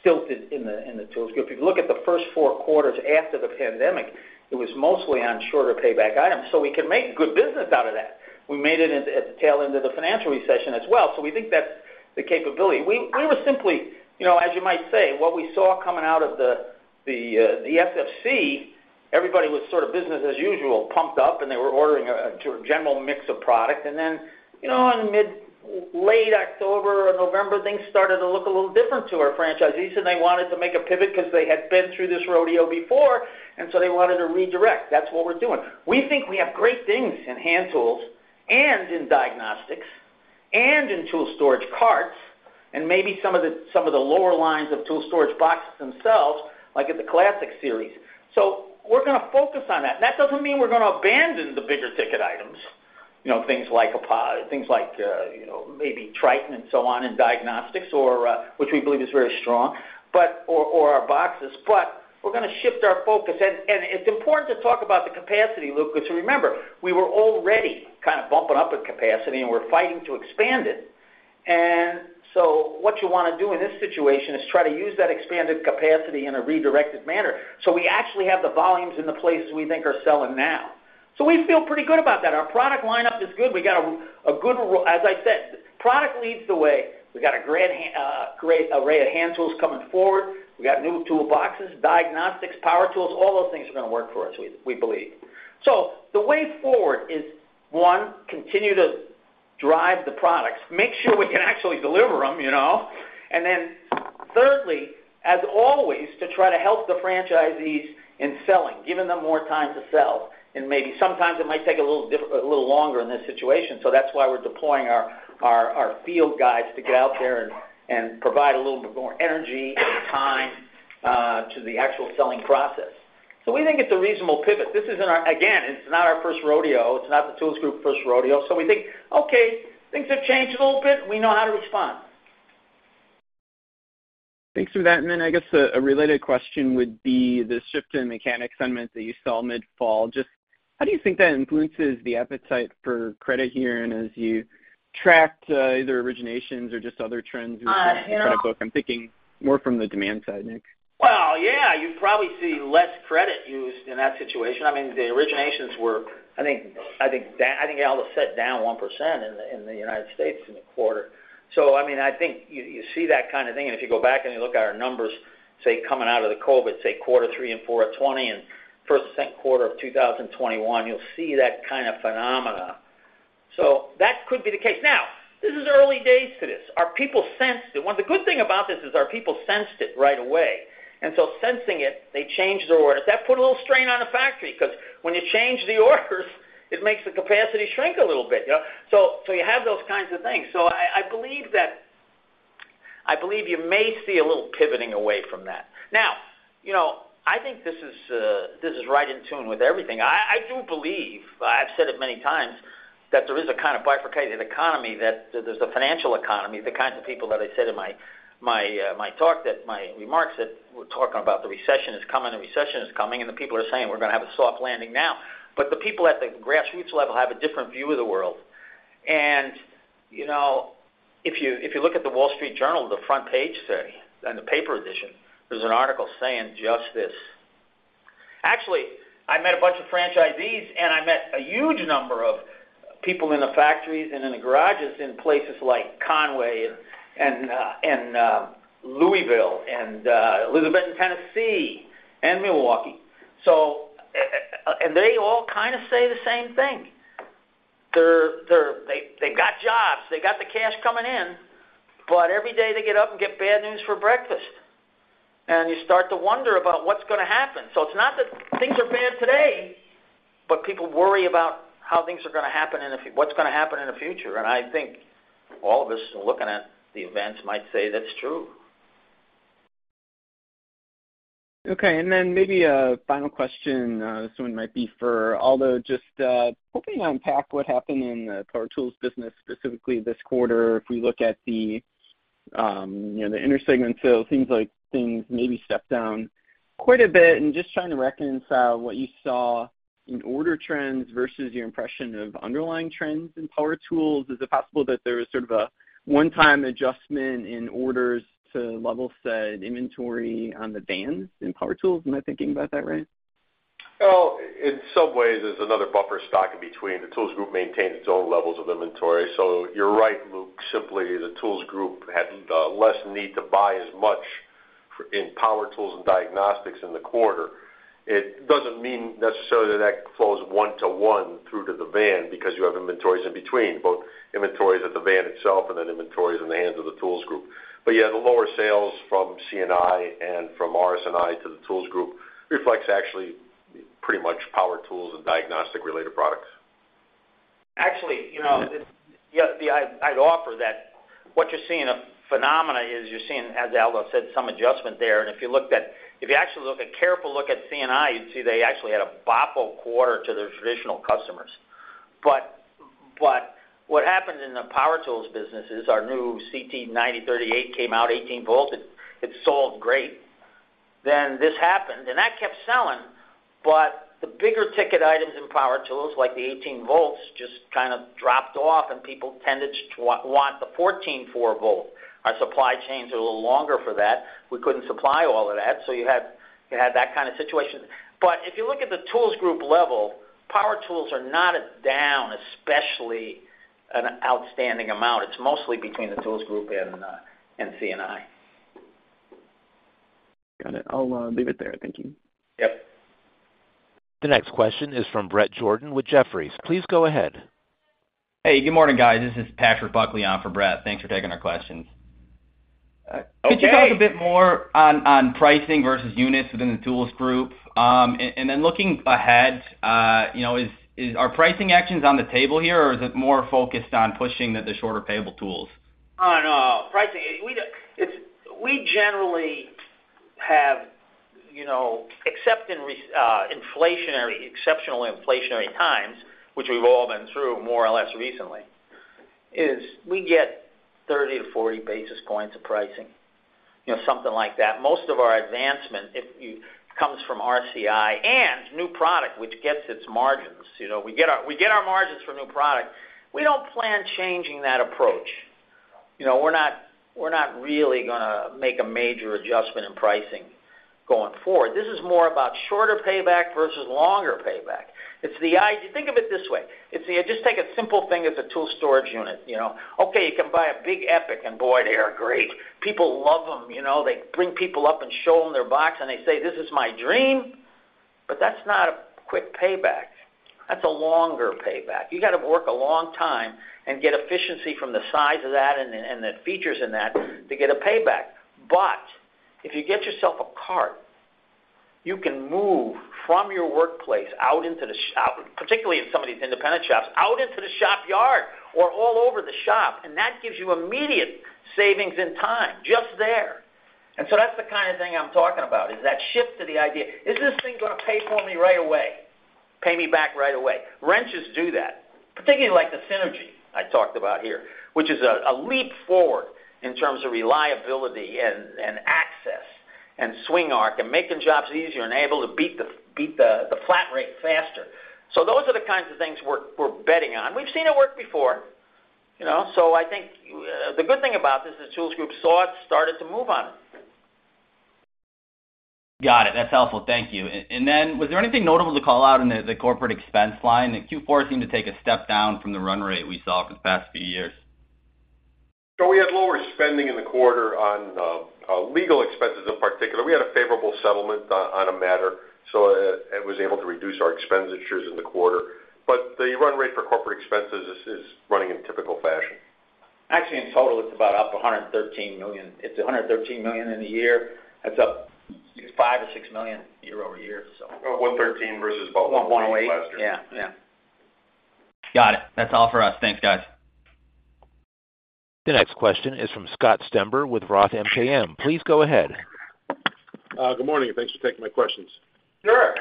stilted in the Tools Group. If you look at the first four quarters after the pandemic, it was mostly on shorter payback items. So we can make good business out of that. We made it at the tail end of the financial recession as well, so we think that's the capability. We were simply, you know, as you might say, what we saw coming out of the GFC, everybody was sort of business as usual, pumped up, and they were ordering to a general mix of product. Then, you know, in mid, late October or November, things started to look a little different to our franchisees, and they wanted to make a pivot because they had been through this rodeo before, and so they wanted to redirect. That's what we're doing. We think we have great things in hand tools and in diagnostics and in tool storage carts, and maybe some of the, some of the lower lines of tool storage boxes themselves, like in the Classic Series. So we're gonna focus on that. That doesn't mean we're gonna abandon the bigger ticket items, you know, things like things like, you know, maybe Triton and so on in diagnostics, or, which we believe is very strong, but, or, or our boxes. But we're gonna shift our focus. It's important to talk about the capacity, Luke, because remember, we were already kind of bumping up with capacity, and we're fighting to expand it. So what you wanna do in this situation is try to use that expanded capacity in a redirected manner, so we actually have the volumes in the places we think are selling now. So we feel pretty good about that. Our product lineup is good. We got a good range, as I said, product leads the way. We've got a great array of hand tools coming forward. We've got new toolboxes, diagnostics, power tools, all those things are gonna work for us, we believe. So the way forward is, one, continue to drive the products, make sure we can actually deliver them, you know. And then thirdly, as always, to try to help the franchisees in selling, giving them more time to sell, and maybe sometimes it might take a little longer in this situation. So that's why we're deploying our field guys to get out there and provide a little bit more energy and time to the actual selling process. So we think it's a reasonable pivot. This isn't our, again, it's not our first rodeo. It's not the Tools Group first rodeo, so we think, okay, things have changed a little bit, and we know how to respond. Thanks for that. And then I guess a, a related question would be the shift in mechanic sentiment that you saw mid-fall. Just how do you think that influences the appetite for credit here, and as you tracked, either originations or just other trends in the credit book? I'm thinking more from the demand side, Nick. Well, yeah, you probably see less credit used in that situation. I mean, the originations were, I think, down. I think Aldo said down 1% in the United States in the quarter. So I mean, I think you see that kind of thing. And if you go back and you look at our numbers, say, coming out of the COVID, say, quarter 3 and 4 of 2020 and first quarter of 2021, you'll see that kind of phenomena. So that could be the case. Now, this is early days to this. Our people sensed it. Well, the good thing about this is our people sensed it right away, and so sensing it, they changed their orders. That put a little strain on the factory because when you change the orders, it makes the capacity shrink a little bit, you know? So you have those kinds of things. So I believe that I believe you may see a little pivoting away from that. Now, you know, I think this is, this is right in tune with everything. I do believe, I've said it many times, that there is a kind of bifurcated economy, that there's a financial economy, the kinds of people that I said in my talk, my remarks, that we're talking about the recession is coming, the recession is coming, and the people are saying we're going to have a soft landing now. But the people at the grassroots level have a different view of the world. And, you know, if you look at The Wall Street Journal, the front page story in the paper edition, there's an article saying just this. Actually, I met a bunch of franchisees, and I met a huge number of people in the factories and in the garages in places like Conway and Louisville and Elizabethton in Tennessee and Milwaukee. So, they all kind of say the same thing. They've got jobs, they've got the cash coming in, but every day they get up and get bad news for breakfast, and you start to wonder about what's going to happen. So it's not that things are bad today, but people worry about how things are going to happen and if what's going to happen in the future. And I think all of us, looking at the events, might say that's true. Okay, and then maybe a final question, this one might be for Aldo. Just, hoping to unpack what happened in the Power Tools business, specifically this quarter. If we look at the, you know, the intersegment sales, seems like things maybe stepped down quite a bit. And just trying to reconcile what you saw in order trends versus your impression of underlying trends in Power Tools. Is it possible that there was sort of a one-time adjustment in orders to level set inventory on the vans in Power Tools? Am I thinking about that right? Well, in some ways, there's another buffer stock in between. The Tools Group maintains its own levels of inventory, so you're right, Luke. Simply, the Tools Group had less need to buy as much for in Power Tools and Diagnostics in the quarter. It doesn't mean necessarily that that flows one to one through to the van because you have inventories in between, both inventories at the van itself and then inventories in the hands of the Tools Group. But yeah, the lower sales from C&I and from RS&I to the Tools Group reflects actually pretty much Power Tools and diagnostic-related products. Actually, you know, yeah, I'd offer that what you're seeing, the phenomenon you're seeing is, as Aldo said, some adjustment there. And if you looked at—if you actually take a careful look at C&I, you'd see they actually had a boffo quarter to their traditional customers. But what happened in the Power Tools business is our new CT9080 came out 18V, it sold great. Then this happened, and that kept selling, but the bigger ticket items in Power Tools, like the 18V, just kind of dropped off, and people tended to want the 14.4V. Our supply chains are a little longer for that. We couldn't supply all of that, so you had that kind of situation. But if you look at the Tools Group level, Power Tools are not down an outstanding amount. It's mostly between the Tools Group and C&I. Got it. I'll leave it there. Thank you. Yep. The next question is from Bret Jordan with Jefferies. Please go ahead. Hey, good morning, guys. This is Patrick Buckley on for Bret. Thanks for taking our questions. Uh, okay. Could you talk a bit more on pricing versus units within the Tools Group? And then looking ahead, you know, are pricing actions on the table here, or is it more focused on pushing the shorter payback tools? Oh, no. Pricing, it's we generally have, you know, except in inflationary, exceptionally inflationary times, which we've all been through more or less recently, is we get 30-40 basis points of pricing, you know, something like that. Most of our advancement comes from RCI and new product, which gets its margins. You know, we get our, we get our margins from new product. We don't plan changing that approach. You know, we're not, we're not really gonna make a major adjustment in pricing going forward. This is more about shorter payback versus longer payback. Think of it this way: it's the, just take a simple thing as a tool storage unit, you know? Okay, you can buy a big EPIQ, and boy, they are great. People love them, you know. They bring people up and show them their box, and they say, "This is my dream." But that's not a quick payback. That's a longer payback. You got to work a long time and get efficiency from the size of that and the features in that to get a payback. But if you get yourself a cart, you can move from your workplace out into the shop, particularly in some of these independent shops, out into the shop yard or all over the shop, and that gives you immediate savings in time, just there. And so that's the kind of thing I'm talking about, is that shift to the idea: Is this thing gonna pay for me right away? Pay me back right away. Wrenches do that, particularly like the Synergy I talked about here, which is a leap forward in terms of reliability and access, and swing arc, and making jobs easier and able to beat the flat rate faster. So those are the kinds of things we're betting on. We've seen it work before, you know, so I think the good thing about this is Tools Group saw it, started to move on it. Got it. That's helpful. Thank you. And then was there anything notable to call out in the corporate expense line? The Q4 seemed to take a step down from the run rate we saw for the past few years. So we had lower spending in the quarter on legal expenses in particular. We had a favorable settlement on a matter, so it was able to reduce our expenditures in the quarter. But the run rate for corporate expenses is running in typical fashion. Actually, in total, it's about up $113 million. It's $113 million in the year. That's up $5 million or $6 million year-over-year, so. About 113 versus about- 18. Yeah, yeah. Got it. That's all for us. Thanks, guys. The next question is from Scott Stember with Roth MKM. Please go ahead. Good morning, and thanks for taking my questions. Sure.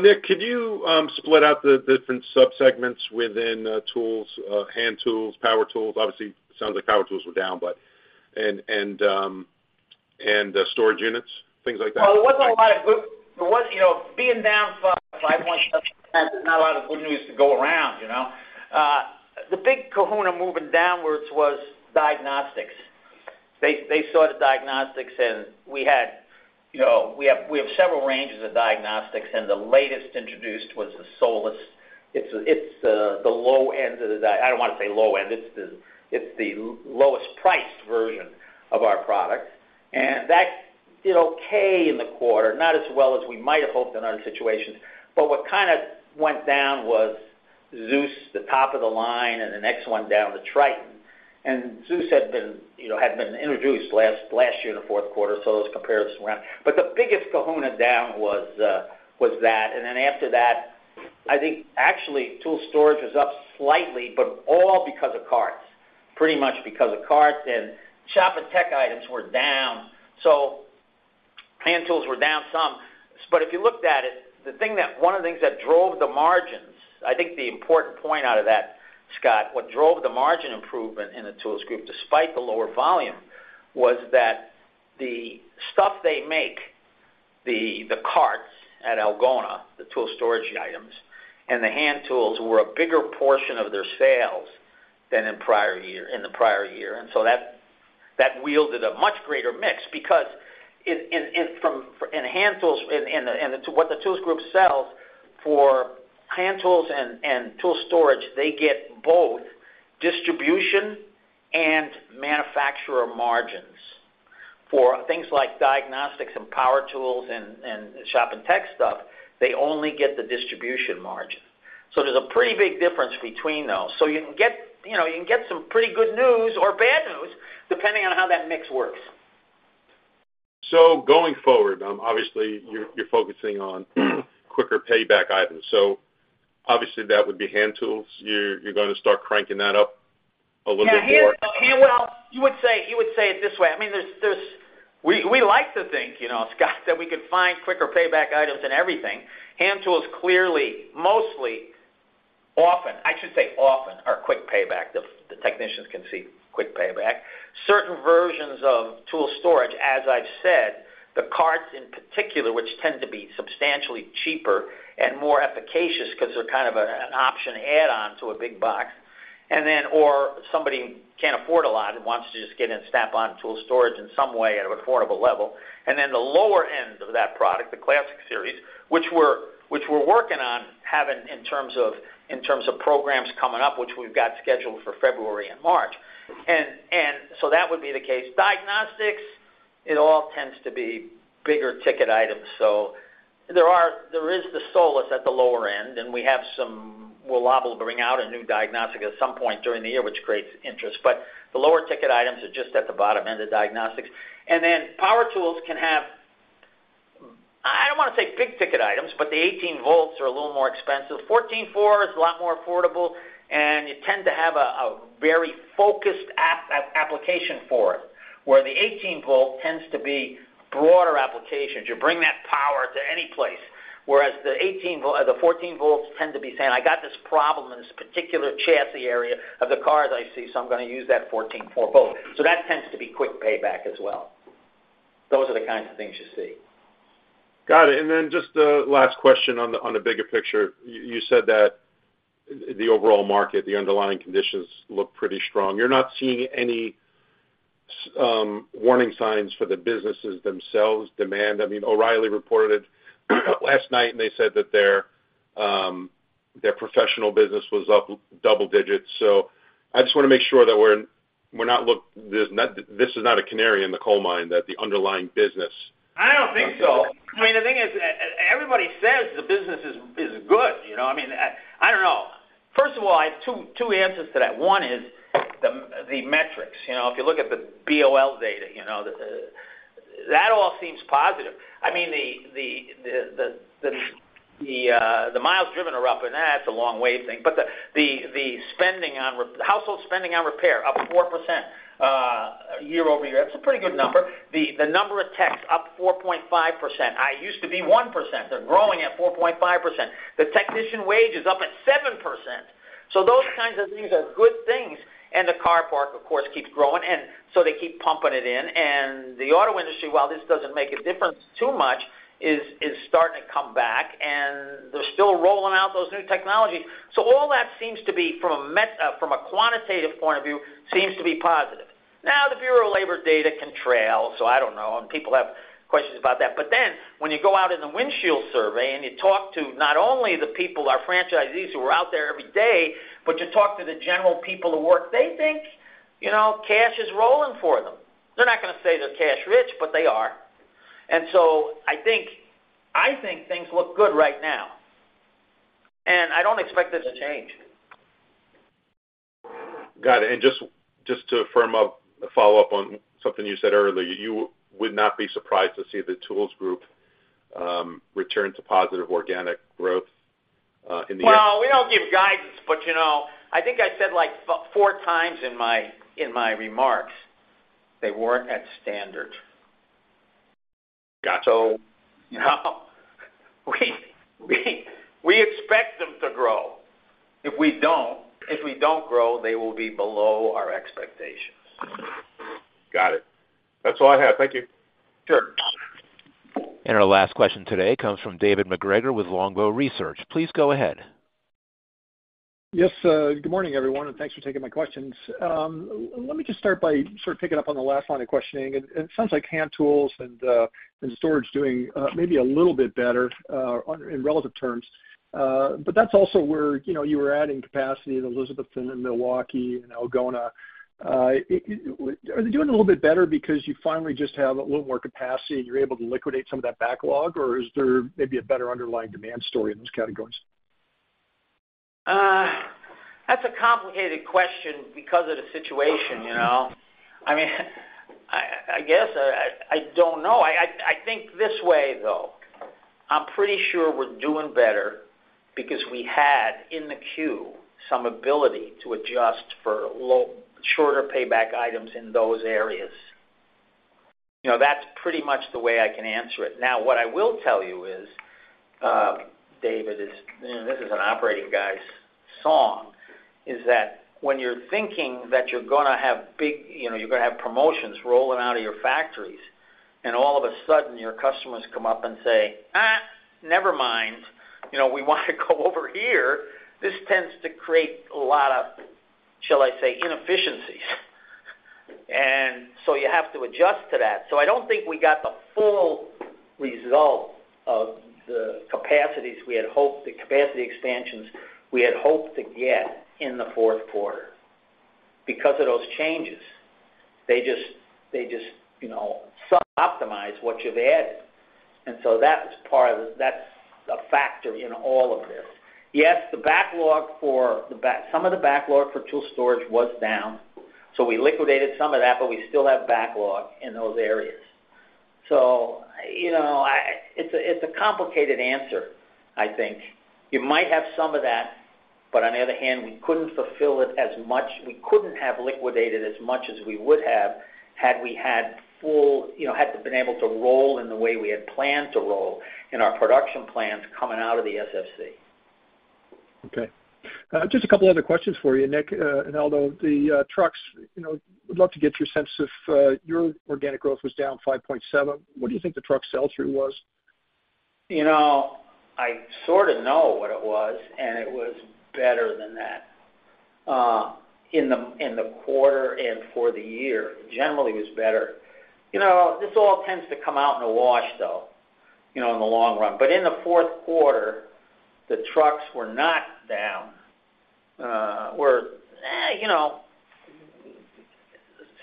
Nick, could you split out the different subsegments within tools, Hand Tools, Power Tools? Obviously, it sounds like power tools were down, but. And storage units, things like that. Well, there wasn't a lot of good. There was, you know, being down, for there's not a lot of good news to go around, you know? The big kahuna moving downwards was diagnostics. They saw the diagnostics, and we have, you know, we have several ranges of diagnostics, and the latest introduced was the Solus. It's the low end of the. I don't want to say low end. It's the lowest priced version of our product, and that did okay in the quarter. Not as well as we might have hoped in other situations, but what kind of went down was Zeus, the top of the line, and the next one down, the Triton. And Zeus had been, you know, had been introduced last year in the fourth quarter, so those comparisons were around. But the biggest kahuna down was that, and then after that, I think actually, tool storage was up slightly, but all because of carts, pretty much because of carts. And shop and tech items were down, so hand tools were down some. But if you looked at it, the thing that, one of the things that drove the margins, I think the important point out of that, Scott, what drove the margin improvement in the Tools Group, despite the lower volume, was that the stuff they make, the carts at Algona, the tool storage items, and the hand tools were a bigger portion of their sales than in prior year, in the prior year. And so that wielded a much greater mix because in, from. In hand tools and what the Tools Group sells for hand tools and tool storage, they get both distribution and manufacturer margins. For things like diagnostics and Power Tools and shop and tech stuff, they only get the distribution margin. So there's a pretty big difference between those. So you can get, you know, you can get some pretty good news or bad news, depending on how that mix works. So going forward, obviously, you're focusing on quicker payback items. So obviously, that would be hand tools. You're gonna start cranking that up a little bit more? Yeah, hand tools. Well, you would say it this way, I mean, there's, we like to think, you know, Scott, that we can find quicker payback items in everything. Hand tools, clearly, mostly, often, I should say often, are quick payback. The technicians can see quick payback. Certain versions of tool storage, as I've said, the carts in particular, which tend to be substantially cheaper and more efficacious because they're kind of an option add-on to a big box, and then or somebody can't afford a lot and wants to just get in Snap-on tool storage in some way at an affordable level. And then the lower end of that product, the Classic Series, which we're working on having in terms of programs coming up, which we've got scheduled for February and March. And so that would be the case. Diagnostics, it all tends to be bigger ticket items, so there is the Solus at the lower end, and we have some. Well, will bring out a new diagnostic at some point during the year, which creates interest, but the lower ticket items are just at the bottom end of diagnostics. And then power tools can have, I don't wanna say big ticket items, but the 18 volts are a little more expensive. 14.4 is a lot more affordable, and you tend to have a very focused application for it, where the 18-volt tends to be broader applications. You bring that power to any place, whereas the 18 V the 14 V tend to be saying, I got this problem in this particular chassis area of the car that I see, so I'm gonna use that 14.4 V So that tends to be quick payback as well. Those are the kinds of things you see. Got it. And then just a last question on the, on the bigger picture. You said that the overall market, the underlying conditions look pretty strong. You're not seeing any warning signs for the businesses themselves, demand? I mean, O'Reilly reported last night, and they said that their their professional business was up double-digits. So I just want to make sure that we're not, this is not a canary in the coal mine, that the underlying business- I don't think so. I mean, the thing is, everybody says the business is good, you know? I mean, I don't know. First of all, I have two answers to that. One is the metrics. You know, if you look at the BLS data, you know, that all seems positive. I mean, the miles driven are up, and that's a long way thing. But the household spending on repair, up 4%, year-over-year. That's a pretty good number. The number of techs up 4.5%. It used to be 1%. They're growing at 4.5%. The technician wage is up at 7%. So those kinds of things are good things, and the car park, of course, keeps growing, and so they keep pumping it in. And the auto industry, while this doesn't make a difference too much, is starting to come back, and they're still rolling out those new technologies. So all that seems to be, from a quantitative point of view, seems to be positive. Now, the Bureau of Labor data can trail, so I don't know, and people have questions about that. But then, when you go out in the windshield survey and you talk to not only the people, our franchisees, who are out there every day, but you talk to the general people who work, they think, you know, cash is rolling for them. They're not going to say they're cash rich, but they are. I think, I think things look good right now, and I don't expect this to change. Got it. And just, just to firm up a follow-up on something you said earlier, you would not be surprised to see the Tools Group return to positive organic growth in the year? Well, we don't give guidance, but, you know, I think I said, like, four times in my, in my remarks, they weren't at standard. Got you. You know, we expect them to grow. If we don't grow, they will be below our expectations. Got it. That's all I have. Thank you. Sure. Our last question today comes from David MacGregor with Longbow Research. Please go ahead. Yes, good morning, everyone, and thanks for taking my questions. Let me just start by sort of picking up on the last line of questioning. It sounds like hand tools and storage doing maybe a little bit better on in relative terms. But that's also where, you know, you were adding capacity in Elizabethton, and Milwaukee, and Algona. Are they doing a little bit better because you finally just have a little more capacity and you're able to liquidate some of that backlog, or is there maybe a better underlying demand story in those categories? That's a complicated question because of the situation, you know? I mean, I guess, I don't know. I think this way, though: I'm pretty sure we're doing better because we had, in the queue, some ability to adjust for lower-shorter payback items in those areas. You know, that's pretty much the way I can answer it. Now, what I will tell you is, David, and this is an operating guy's song, that when you're thinking that you're gonna have big... You know, you're gonna have promotions rolling out of your factories, and all of a sudden, your customers come up and say, Never mind, you know, we want to go over here," this tends to create a lot of, shall I say, inefficiencies. And so you have to adjust to that. So I don't think we got the full result of the capacities we had hoped, the capacity expansions we had hoped to get in the fourth quarter because of those changes. They just, they just, you know, suboptimize what you've added, and so that was part of, that's a factor in all of this. Yes, some of the backlog for tool storage was down, so we liquidated some of that, but we still have backlog in those areas. So, you know, it's a, it's a complicated answer, I think. You might have some of that, but on the other hand, we couldn't fulfill it as much. We couldn't have liquidated as much as we would have, had we had full. You know, had been able to roll in the way we had planned to roll in our production plans coming out of the SFC. Okay. Just a couple other questions for you, Nick, and Aldo. The trucks, you know, would love to get your sense if your organic growth was down 5.7% What do you think the truck sell-through was? You know, I sort of know what it was, and it was better than that. In the quarter and for the year, generally, was better. You know, this all tends to come out in a wash, though, you know, in the long run. But in the fourth quarter, the trucks were not down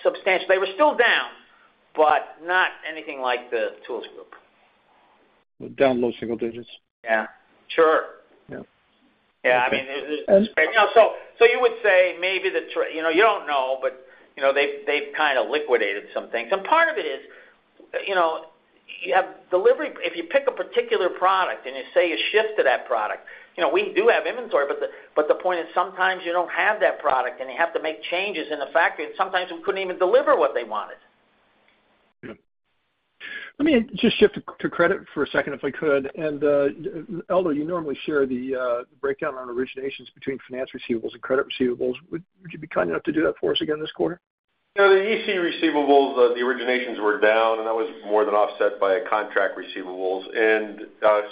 substantially, they were still down, but not anything like the Tools Group. Down low-single-digits? Yeah, sure. Yeah. Yeah, I mean, it And- You know, so, so you would say maybe you know, you don't know, but, you know, they've, they've kind of liquidated some things. And part of it is, you know, you have delivery - if you pick a particular product and you say you ship to that product, you know, we do have inventory, but the, but the point is, sometimes you don't have that product, and you have to make changes in the factory, and sometimes we couldn't even deliver what they wanted. Yeah. Let me just shift to credit for a second, if I could. Aldo, you normally share the breakdown on originations between finance receivables and credit receivables. Would you be kind enough to do that for us again this quarter? You know, the EC receivables, the originations were down, and that was more than offset by contract receivables.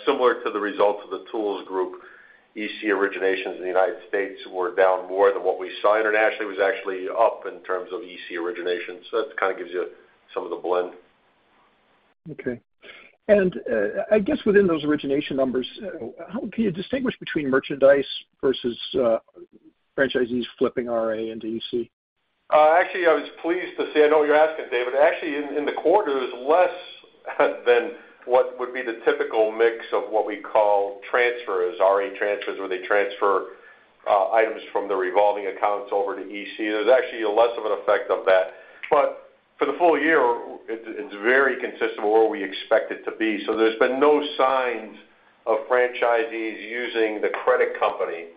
Similar to the results of the Tools Group, EC originations in the United States were down more than what we saw. Internationally, it was actually up in terms of EC originations, so that kind of gives you some of the blend. Okay. And, I guess within those origination numbers, how can you distinguish between merchandise versus, franchisees flipping RA into EC? Actually, I was pleased to see I know what you're asking, David. Actually, in the quarter, there's less than what would be the typical mix of what we call transfers, RA transfers, where they transfer, items from the revolving accounts over to EC. There's actually a less of an effect of that. But for the full-year, it's very consistent with where we expect it to be. So there's been no signs of franchisees using the credit company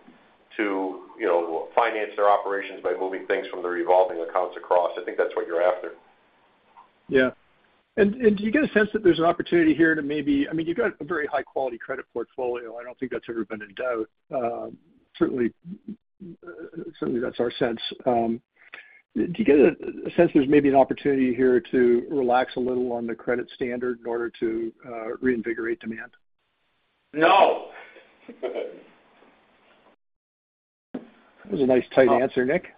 to, you know, finance their operations by moving things from the revolving accounts across. I think that's what you're after. Yeah. And, do you get a sense that there's an opportunity here to maybe. I mean, you've got a very high-quality credit portfolio. I don't think that's ever been in doubt. Certainly that's our sense. Do you get a sense there's maybe an opportunity here to relax a little on the credit standard in order to reinvigorate demand? No. That was a nice, tight answer, Nick.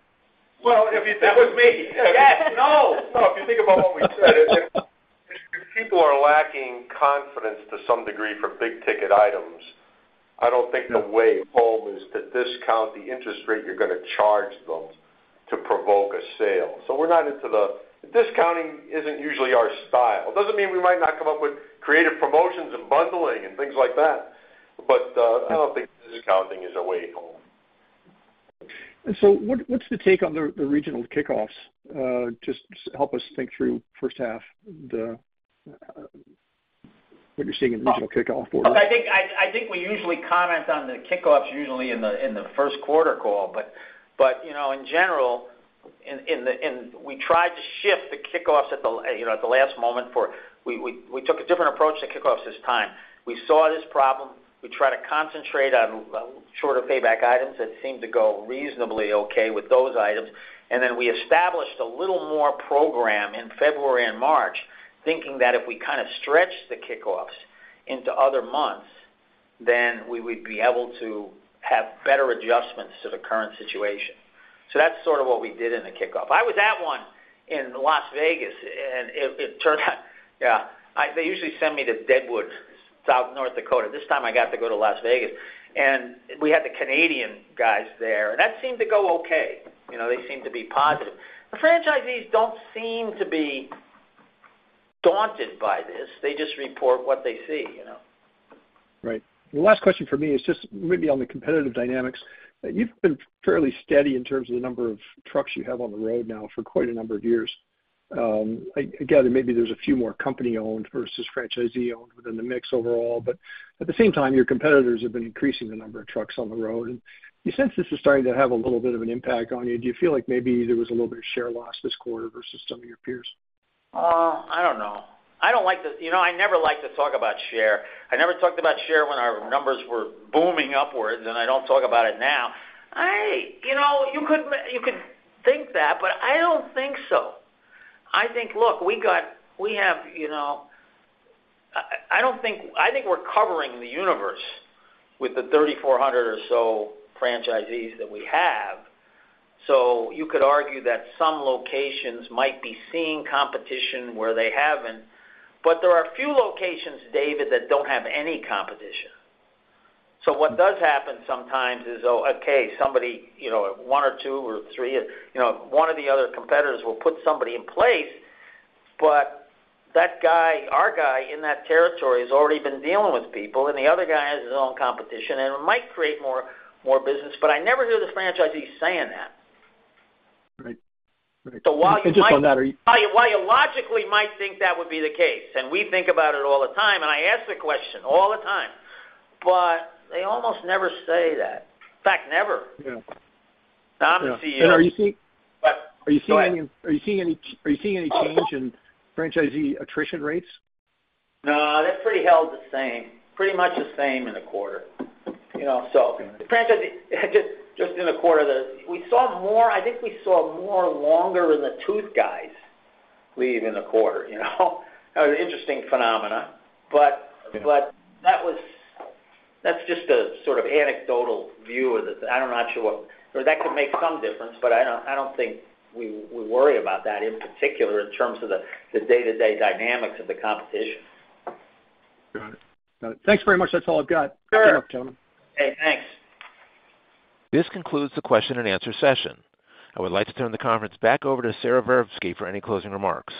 Well, if you- That was me. Yes. No! So if you think about what we said, if people are lacking confidence to some degree for big ticket items, I don't think the way home is to discount the interest rate you're going to charge them to provoke a sale. So we're not into the. Discounting isn't usually our style. It doesn't mean we might not come up with creative promotions and bundling and things like that, but I don't think discounting is a way home. And so, what's the take on the regional kickoffs? Just help us think through first half, what you're seeing in regional kickoff for us. Look, I think we usually comment on the kickoffs usually in the first quarter call. But you know, in general, we tried to shift the kickoffs at the, you know, at the last moment, for we took a different approach to kickoffs this time. We saw this problem. We tried to concentrate on shorter payback items. That seemed to go reasonably okay with those items. And then we established a little more program in February and March, thinking that if we kind of stretched the kickoffs into other months, then we would be able to have better adjustments to the current situation. So that's sort of what we did in the kickoff. I was at one in Las Vegas, and it turned out. They usually send me to Deadwood, South Dakota. This time I got to go to Las Vegas, and we had the Canadian guys there, and that seemed to go okay. You know, they seemed to be positive. The franchisees don't seem to be daunted by this. They just report what they see, you know. Right. The last question for me is just maybe on the competitive dynamics. You've been fairly steady in terms of the number of trucks you have on the road now for quite a number of years. I gather maybe there's a few more company-owned versus franchisee-owned within the mix overall, but at the same time, your competitors have been increasing the number of trucks on the road, and you sense this is starting to have a little bit of an impact on you. Do you feel like maybe there was a little bit of share loss this quarter versus some of your peers? I don't know. I don't like to... You know, I never like to talk about share. I never talked about share when our numbers were booming upwards, and I don't talk about it now. I You know, you could think that, but I don't think so. I think, look, we have, you know. I don't think. I think we're covering the universe with the 3,400 or so franchisees that we have, so you could argue that some locations might be seeing competition where they haven't, but there are a few locations, David, that don't have any competition. So what does happen sometimes is, oh, okay, somebody, you know, 1 or 2 or 3, you know, 1 of the other competitors will put somebody in place, but that guy, our guy in that territory, has already been dealing with people, and the other guy has his own competition, and it might create more business, but I never hear the franchisee saying that. Right. Right. So while you might- Just on that, are you- While you logically might think that would be the case, and we think about it all the time, and I ask the question all the time, but they almost never say that. In fact, never. Yeah. I'm the CEO. Are you seeing- What? Go ahead. Are you seeing any change in franchisee attrition rates? No, that's pretty held the same. Pretty much the same in the quarter. You know, so- Okay. the franchisee, just in the quarter, we saw more I think we saw more longer in the tooth guys leave in the quarter, you know? It was an interesting phenomenon, but- Okay But that was, that's just a sort of anecdotal view of it. I'm not sure what, but that could make some difference, but I don't think we worry about that in particular in terms of the day-to-day dynamics of the competition. Got it. Got it. Thanks very much. That's all I've got. Sure! Good luck, gentlemen. Okay, thanks. This concludes the question and answer session. I would like to turn the conference back over to Sara Verbsky for any closing remarks.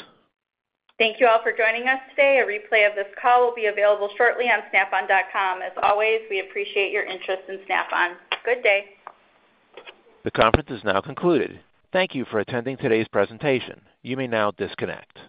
Thank you all for joining us today. A replay of this call will be available shortly on snapon.com. As always, we appreciate your interest in Snap-on. Good day. The conference is now concluded. Thank you for attending today's presentation. You may now disconnect.